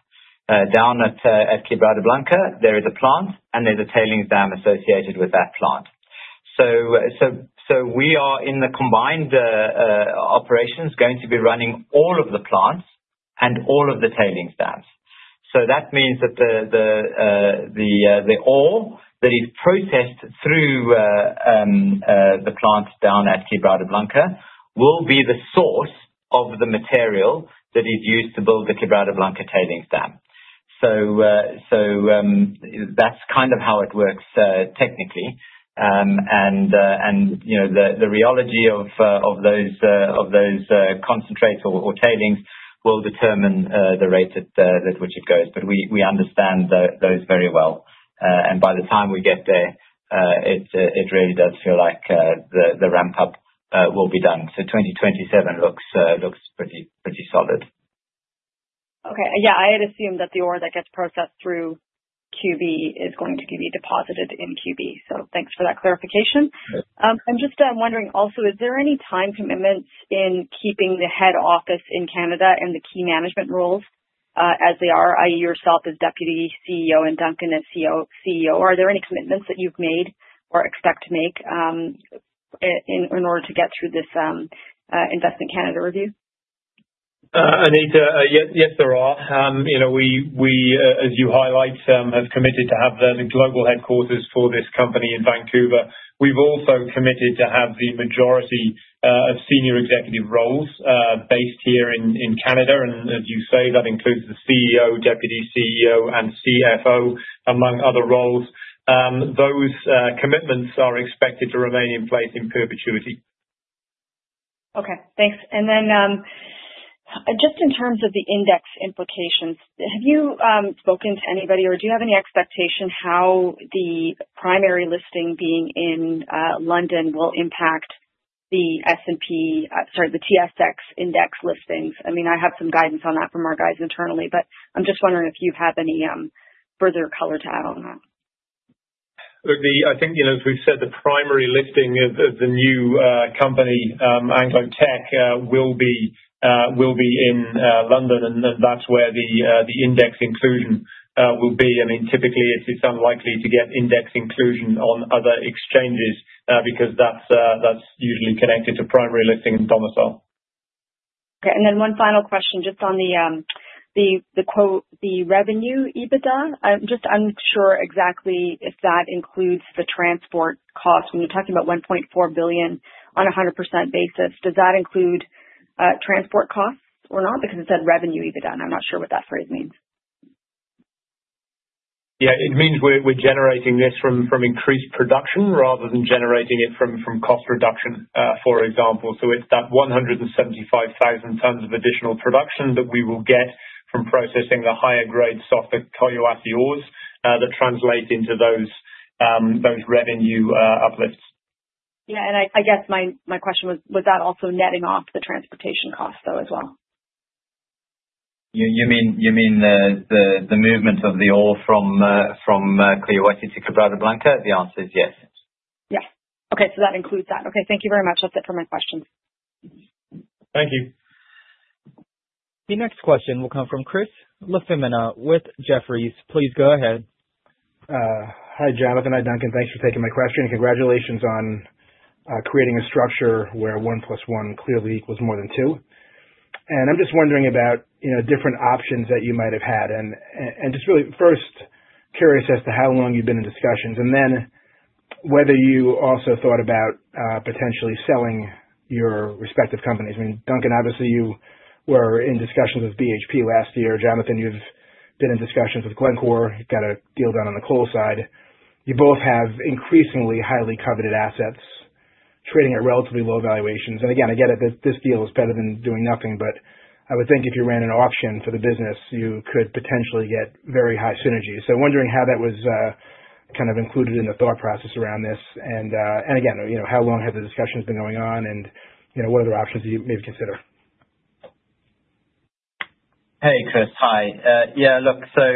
Down at Quebrada Blanca, there is a plant, and there's a tailings dam associated with that plant. So we are in the combined operations going to be running all of the plants and all of the tailings dams. So that means that the ore that is processed through the plant down at Quebrada Blanca will be the source of the material that is used to build the Quebrada Blanca tailings dam. So that's kind of how it works technically. And the rheology of those concentrates or tailings will determine the rate at which it goes. But we understand those very well. By the time we get there, it really does feel like the ramp-up will be done. 2027 looks pretty solid. Okay. Yeah. I had assumed that the ore that gets processed through QB is going to be deposited in QB. So thanks for that clarification. I'm just wondering also, is there any time commitments in keeping the head office in Canada and the key management roles as they are, i.e., yourself as Deputy CEO and Duncan as CEO? Are there any commitments that you've made or expect to make in order to get through this Investment Canada review? Anita, yes, there are. We, as you highlight, have committed to have the global headquarters for this company in Vancouver. We've also committed to have the majority of senior executive roles based here in Canada. And as you say, that includes the CEO, deputy CEO, and CFO, among other roles. Those commitments are expected to remain in place in perpetuity. Okay. Thanks. And then just in terms of the index implications, have you spoken to anybody or do you have any expectation how the primary listing being in London will impact the S&P sorry, the TSX index listings? I mean, I have some guidance on that from our guys internally, but I'm just wondering if you have any further color to add on that. I think, as we've said, the primary listing of the new company, Anglo Teck, will be in London, and that's where the index inclusion will be. I mean, typically, it's unlikely to get index inclusion on other exchanges because that's usually connected to primary listing and domicile. Okay. And then one final question just on the revenue EBITDA. I'm just unsure exactly if that includes the transport cost. When you're talking about $1.4 billion on a 100% basis, does that include transport costs or not? Because it said revenue EBITDA, and I'm not sure what that phrase means. Yeah. It means we're generating this from increased production rather than generating it from cost reduction, for example. So it's that 175,000 tonnes of additional production that we will get from processing the higher-grade soft Collahuasi ores that translate into those revenue uplifts. Yeah, and I guess my question was, was that also netting off the transportation costs though as well? You mean the movement of the ore from Collahuasi to Quebrada Blanca? The answer is yes. Yeah. Okay. So that includes that. Okay. Thank you very much. That's it for my questions. Thank you. The next question will come from Chris LaFemina with Jefferies. Please go ahead. Hi, Jonathan. Hi, Duncan. Thanks for taking my question. Congratulations on creating a structure where one plus one clearly equals more than two. And I'm just wondering about different options that you might have had. And just really first, curious as to how long you've been in discussions and then whether you also thought about potentially selling your respective companies. I mean, Duncan, obviously, you were in discussions with BHP last year. Jonathan, you've been in discussions with Glencore. You've got a deal done on the coal side. You both have increasingly highly coveted assets trading at relatively low valuations. And again, I get it that this deal is better than doing nothing, but I would think if you ran an auction for the business, you could potentially get very high synergy. So wondering how that was kind of included in the thought process around this. Again, how long have the discussions been going on, and what other options did you maybe consider? Hey, Chris. Hi. Yeah. Look, so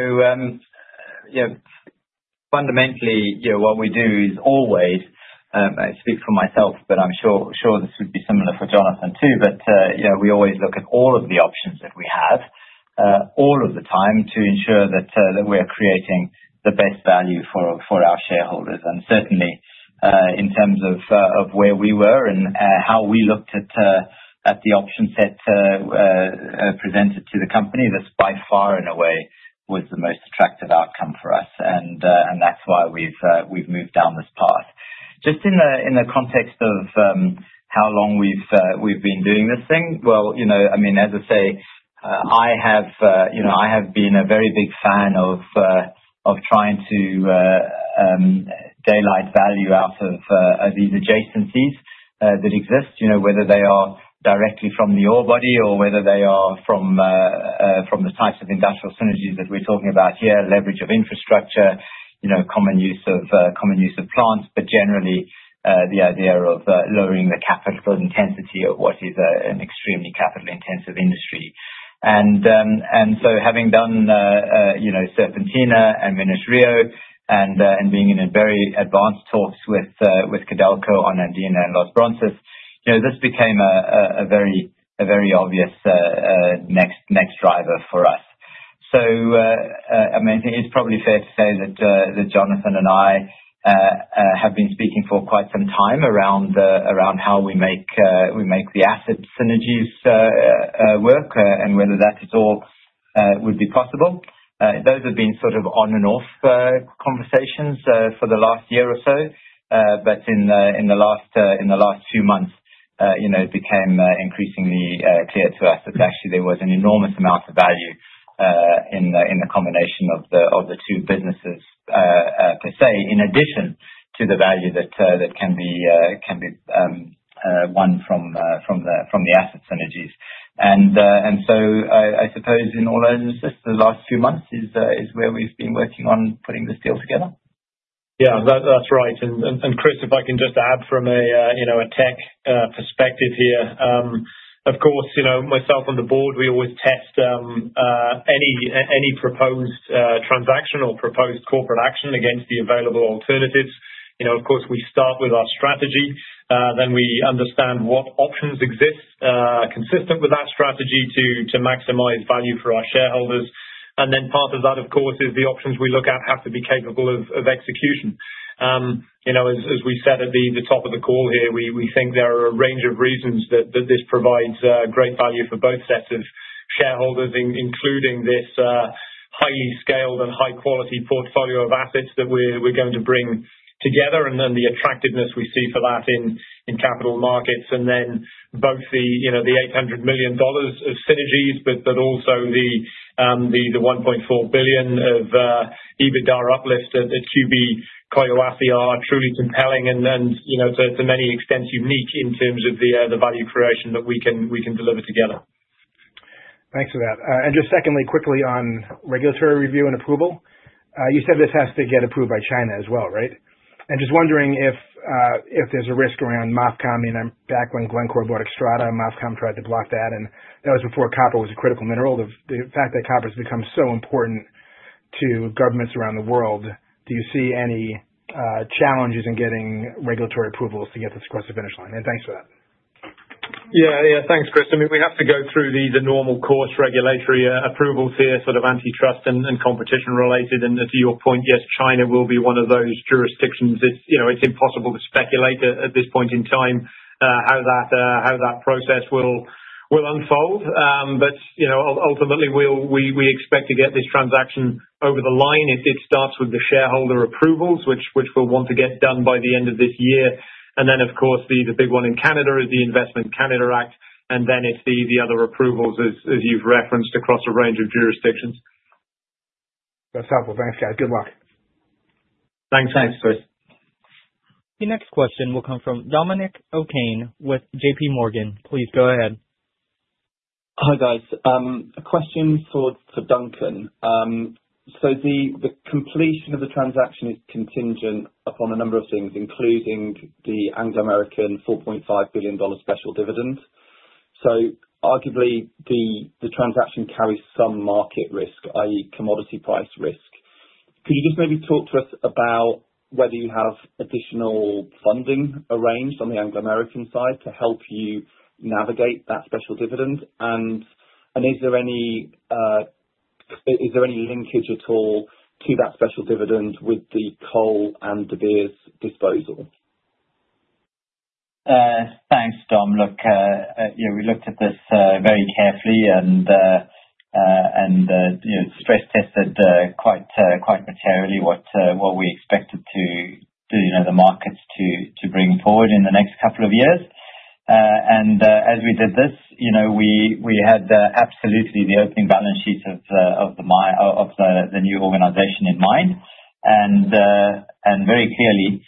fundamentally, what we do is always. I speak for myself, but I'm sure this would be similar for Jonathan too, but we always look at all of the options that we have all of the time to ensure that we're creating the best value for our shareholders. And certainly, in terms of where we were and how we looked at the option set presented to the company, this by far, in a way, was the most attractive outcome for us. And that's why we've moved down this path. Just in the context of how long we've been doing this thing, well, I mean, as I say, I have been a very big fan of trying to daylight value out of these adjacencies that exist, whether they are directly from the ore body or whether they are from the types of industrial synergies that we're talking about here, leverage of infrastructure, common use of plants, but generally, the idea of lowering the capital intensity of what is an extremely capital-intensive industry, and so having done Serpentina and Minas-Rio and being in very advanced talks with Codelco on Andina and Los Bronces, this became a very obvious next driver for us, so I mean, it's probably fair to say that Jonathan and I have been speaking for quite some time around how we make the asset synergies work and whether that at all would be possible. Those have been sort of on-and-off conversations for the last year or so. But in the last few months, it became increasingly clear to us that actually there was an enormous amount of value in the combination of the two businesses per se, in addition to the value that can be won from the asset synergies, and so I suppose in all earnestness, the last few months is where we've been working on putting this deal together. Yeah. That's right. And Chris, if I can just add from a Teck perspective here, of course, myself on the board, we always test any proposed transaction or proposed corporate action against the available alternatives. Of course, we start with our strategy. Then we understand what options exist consistent with that strategy to maximize value for our shareholders. And then part of that, of course, is the options we look at have to be capable of execution. As we said at the top of the call here, we think there are a range of reasons that this provides great value for both sets of shareholders, including this highly scaled and high-quality portfolio of assets that we're going to bring together and then the attractiveness we see for that in capital markets. And then both the $800 million of synergies, but also the $1.4 billion of EBITDA uplift at QB Collahuasi are truly compelling and to many extents unique in terms of the value creation that we can deliver together. Thanks for that. And just secondly, quickly on regulatory review and approval, you said this has to get approved by China as well, right? And just wondering if there's a risk around MOFCOM. Back when Glencore bought Xstrata, MOFCOM tried to block that, and that was before copper was a critical mineral. The fact that copper has become so important to governments around the world, do you see any challenges in getting regulatory approvals to get this across the finish line? And thanks for that. Yeah. Yeah. Thanks, Chris. I mean, we have to go through the normal course regulatory approvals here, sort of antitrust and competition related. And to your point, yes, China will be one of those jurisdictions. It's impossible to speculate at this point in time how that process will unfold. But ultimately, we expect to get this transaction over the line if it starts with the shareholder approvals, which we'll want to get done by the end of this year. And then, of course, the big one in Canada is the Investment Canada Act, and then it's the other approvals, as you've referenced, across a range of jurisdictions. That's helpful. Thanks, guys. Good luck. Thanks. Thanks, Chris. The next question will come from Dominic O'Kane with JPMorgan. Please go ahead. Hi, guys. A question for Duncan. So the completion of the transaction is contingent upon a number of things, including the Anglo American $4.5 billion special dividend. So arguably, the transaction carries some market risk, i.e., commodity price risk. Could you just maybe talk to us about whether you have additional funding arranged on the Anglo American side to help you navigate that special dividend? And is there any linkage at all to that special dividend with the coal and De Beers disposal? Thanks, Dom. Look, we looked at this very carefully and stress-tested quite materially what we expected the markets to bring forward in the next couple of years, and as we did this, we had absolutely the opening balance sheet of the new organization in mind, and very clearly,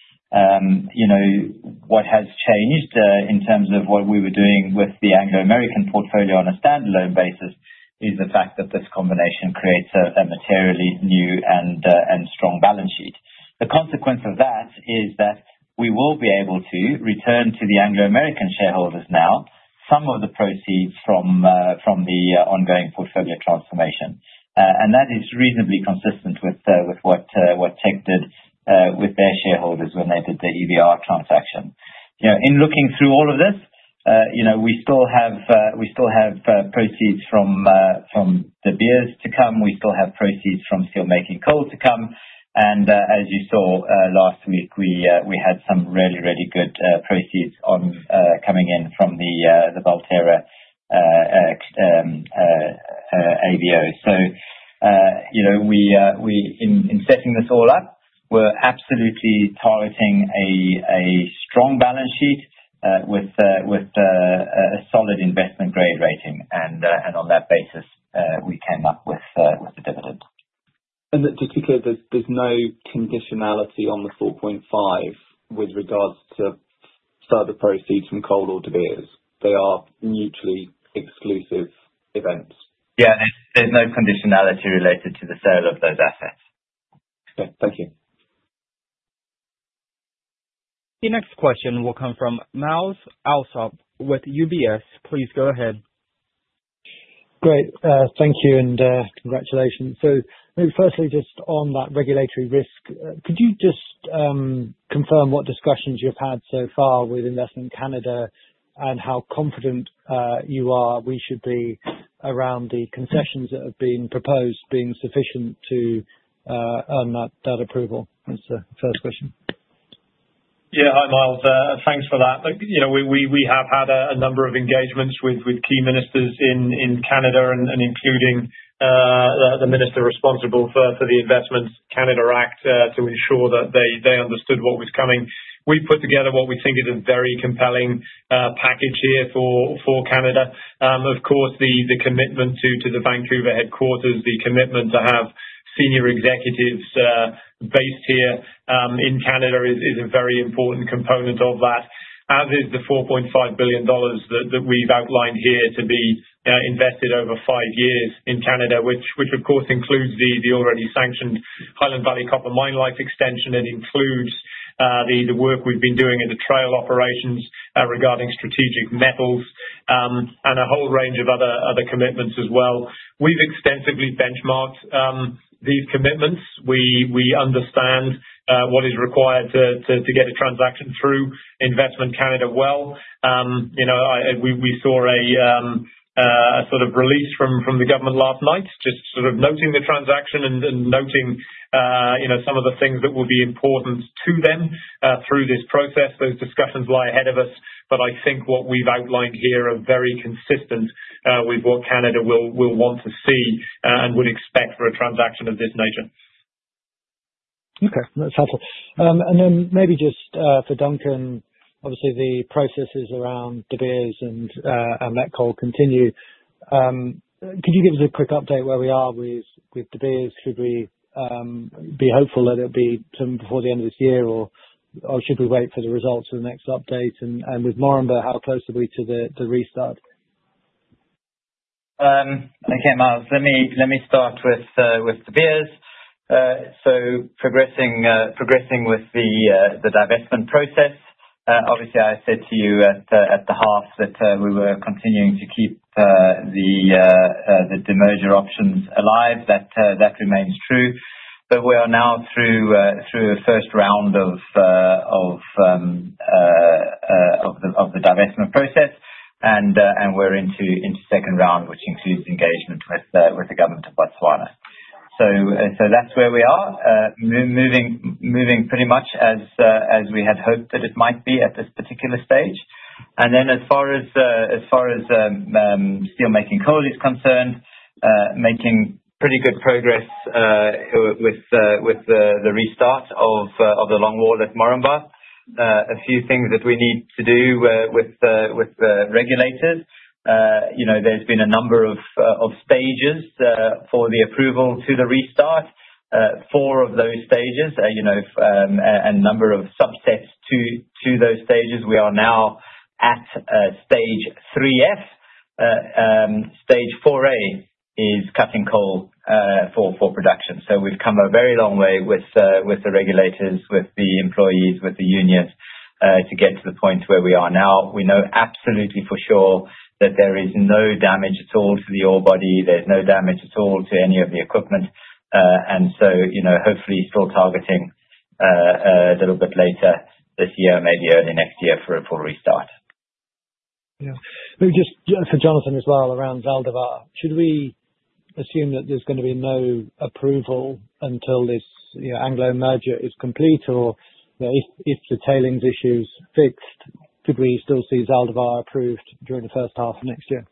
what has changed in terms of what we were doing with the Anglo American portfolio on a standalone basis is the fact that this combination creates a materially new and strong balance sheet. The consequence of that is that we will be able to return to the Anglo American shareholders now some of the proceeds from the ongoing portfolio transformation, and that is reasonably consistent with what Teck did with their shareholders when they did the EVR transaction. In looking through all of this, we still have proceeds from De Beers to come. We still have proceeds from Steelmaking Coal to come. And as you saw last week, we had some really, really good proceeds coming in from the Valterra ABO. So in setting this all up, we're absolutely targeting a strong balance sheet with a solid investment-grade rating. And on that basis, we came up with the dividend. Just to be clear, there's no conditionality on the $4.5 with regards to further proceeds from coal or De Beers? They are mutually exclusive events? Yeah. There's no conditionality related to the sale of those assets. Okay. Thank you. The next question will come from Myles Allsop with UBS. Please go ahead. Great. Thank you and congratulations. So firstly, just on that regulatory risk, could you just confirm what discussions you've had so far with Investment Canada and how confident you are we should be around the concessions that have been proposed being sufficient to earn that approval? That's the first question. Yeah. Hi, Myles. Thanks for that. We have had a number of engagements with key ministers in Canada, including the minister responsible for the Investment Canada Act, to ensure that they understood what was coming. We've put together what we think is a very compelling package here for Canada. Of course, the commitment to the Vancouver headquarters, the commitment to have senior executives based here in Canada is a very important component of that, as is the 4.5 billion dollars that we've outlined here to be invested over five years in Canada, which, of course, includes the already sanctioned Highland Valley Copper Mine Life Extension. It includes the work we've been doing at the Trail Operations regarding strategic metals and a whole range of other commitments as well. We've extensively benchmarked these commitments. We understand what is required to get a transaction through Investment Canada well. We saw a sort of release from the government last night just sort of noting the transaction and noting some of the things that will be important to them through this process. Those discussions lie ahead of us. But I think what we've outlined here are very consistent with what Canada will want to see and would expect for a transaction of this nature. Okay. That's helpful. And then maybe just for Duncan, obviously, the processes around De Beers and metcoal continue. Could you give us a quick update where we are with De Beers? Should we be hopeful that it'll be done before the end of this year, or should we wait for the results of the next update? And with Moranbah, how close are we to the restart? Okay, Myles, let me start with De Beers. So progressing with the divestment process, obviously, I said to you at the half-year that we were continuing to keep the merger options alive. That remains true. But we are now through a first round of the divestment process, and we're into second round, which includes engagement with the government of Botswana. So that's where we are, moving pretty much as we had hoped that it might be at this particular stage. And then as far as steelmaking coal is concerned, making pretty good progress with the restart of the longwall at Moranbah. A few things that we need to do with the regulators. There's been a number of stages for the approval to the restart. Four of those stages and a number of subsets to those stages. We are now at stage 3F. Stage 4A is cutting coal for production. So we've come a very long way with the regulators, with the employees, with the unions to get to the point where we are now. We know absolutely for sure that there is no damage at all to the ore body. There's no damage at all to any of the equipment. And so hopefully, still targeting a little bit later this year, maybe early next year for a full restart. Yeah. Maybe just for Jonathan as well around Zaldivar, should we assume that there's going to be no approval until this Anglo merger is complete? Or if the tailings issue's fixed, could we still see Zaldivar approved during the first half of next year?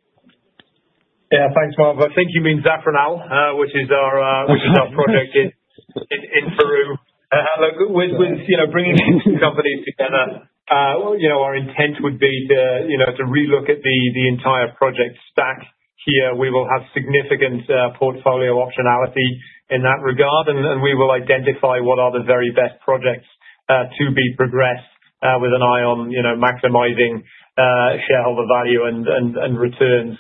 Yeah. Thanks, Myles. I think you mean Zafranal, which is our project in Peru. Look, with bringing these companies together, our intent would be to relook at the entire project stack here. We will have significant portfolio optionality in that regard, and we will identify what are the very best projects to be progressed with an eye on maximizing shareholder value and returns.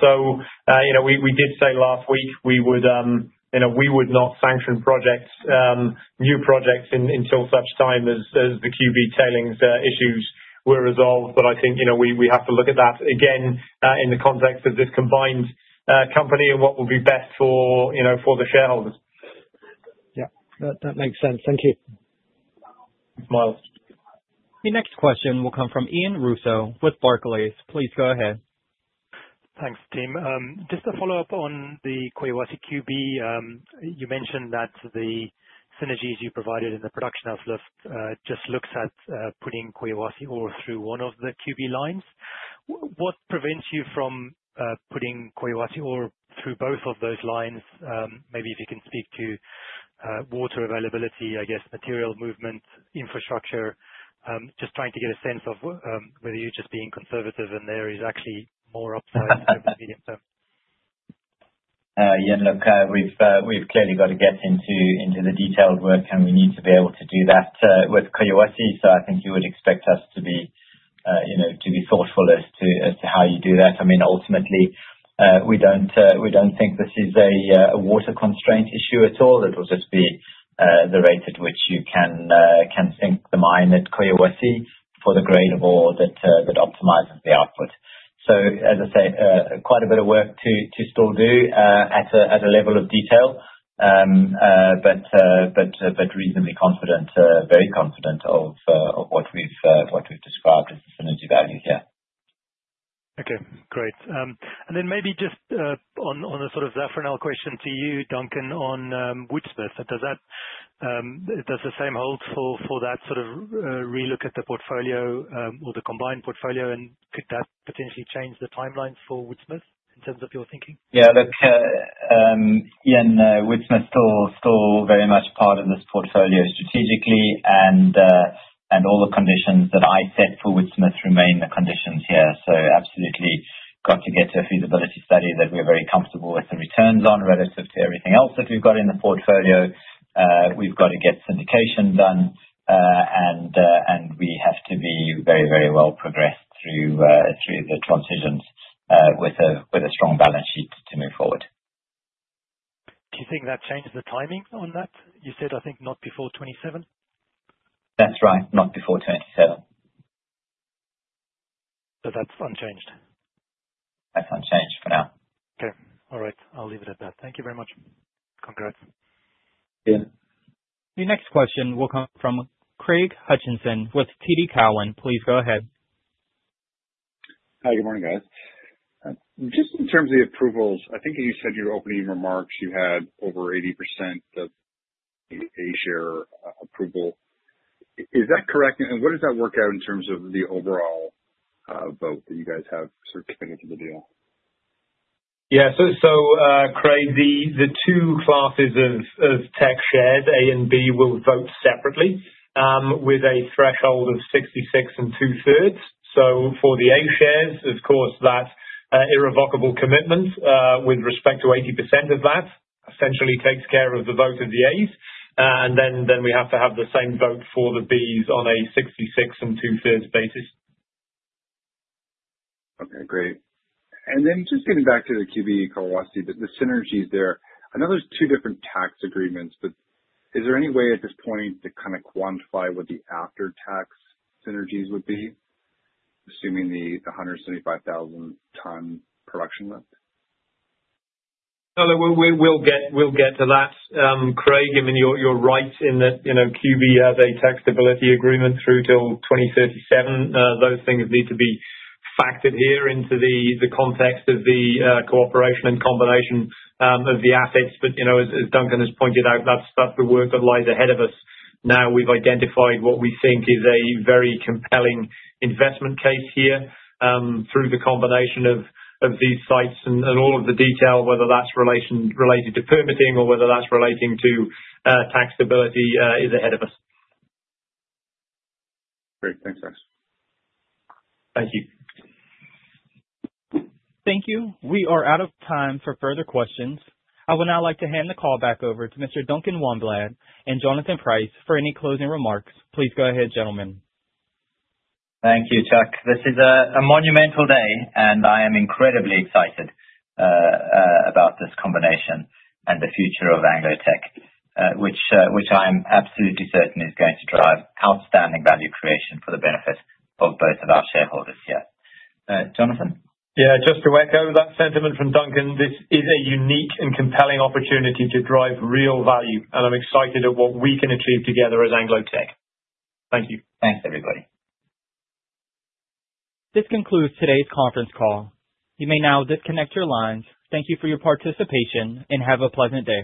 So we did say last week we would not sanction new projects until such time as the QB tailings issues were resolved. But I think we have to look at that again in the context of this combined company and what will be best for the shareholders. Yeah. That makes sense. Thank you. Thanks, Myles. The next question will come from Ian Rossouw with Barclays. Please go ahead. Thanks, team. Just to follow up on the Collahuasi QB, you mentioned that the synergies you provided in the production outlook just looks at putting Collahuasi ore through one of the QB lines. What prevents you from putting Collahuasi ore through both of those lines? Maybe if you can speak to water availability, I guess, material movement, infrastructure, just trying to get a sense of whether you're just being conservative and there is actually more upside over the medium term. Yeah. Look, we've clearly got to get into the detailed work, and we need to be able to do that with Collahuasi. So I think you would expect us to be thoughtful as to how you do that. I mean, ultimately, we don't think this is a water constraint issue at all. It'll just be the rate at which you can sink the mine at Collahuasi for the grade of ore that optimizes the output. So as I say, quite a bit of work to still do at a level of detail, but reasonably confident, very confident of what we've described as the synergy value here. Okay. Great. And then maybe just on a sort of Zafranal question to you, Duncan, on Woodsmith. Does the same hold for that sort of relook at the portfolio or the combined portfolio? And could that potentially change the timeline for Woodsmith in terms of your thinking? Yeah. Look, Ian, Woodsmith's still very much part of this portfolio strategically, and all the conditions that I set for Woodsmith remain the conditions here. So absolutely got to get a feasibility study that we're very comfortable with the returns on relative to everything else that we've got in the portfolio. We've got to get syndication done, and we have to be very, very well progressed through the transitions with a strong balance sheet to move forward. Do you think that changes the timing on that? You said, I think, not before 2027. That's right. Not before 2027. So that's unchanged. That's unchanged for now. Okay. All right. I'll leave it at that. Thank you very much. Congrats. Yeah. The next question will come from Craig Hutchison with TD Cowen. Please go ahead. Hi. Good morning, guys. Just in terms of the approvals, I think you said in your opening remarks you had over 80% of the A-share approval. Is that correct? And what does that work out in terms of the overall vote that you guys have sort of committed to the deal? Yeah. So Craig, the two classes of Teck shares, A and B, will vote separately with a threshold of 66 and 2/3%. So for the A shares, of course, that irrevocable commitment with respect to 80% of that essentially takes care of the vote of the As. And then we have to have the same vote for the Bs on a 66 and 2/3% basis. Okay. Great. And then just getting back to the QB Collahuasi, the synergies there. I know there's two different tax agreements, but is there any way at this point to kind of quantify what the after-tax synergies would be, assuming the 175,000 tonne production limit? No. We'll get to that. Craig, I mean, you're right in that QB has a tax stability agreement through till 2037. Those things need to be factored here into the context of the cooperation and combination of the assets. But as Duncan has pointed out, that's the work that lies ahead of us. Now we've identified what we think is a very compelling investment case here through the combination of these sites and all of the detail, whether that's related to permitting or whether that's relating to tax stability, is ahead of us. Great. Thanks, guys. Thank you. Thank you. We are out of time for further questions. I would now like to hand the call back over to Mr. Duncan Wanblad and Jonathan Price for any closing remarks. Please go ahead, gentlemen. Thank you, Chuck. This is a monumental day, and I am incredibly excited about this combination and the future of Anglo Teck, which I'm absolutely certain is going to drive outstanding value creation for the benefit of both of our shareholders here. Jonathan? Yeah. Just to echo that sentiment from Duncan, this is a unique and compelling opportunity to drive real value, and I'm excited at what we can achieve together as Anglo Teck. Thank you. Thanks, everybody. This concludes today's conference call. You may now disconnect your lines. Thank you for your participation and have a pleasant day.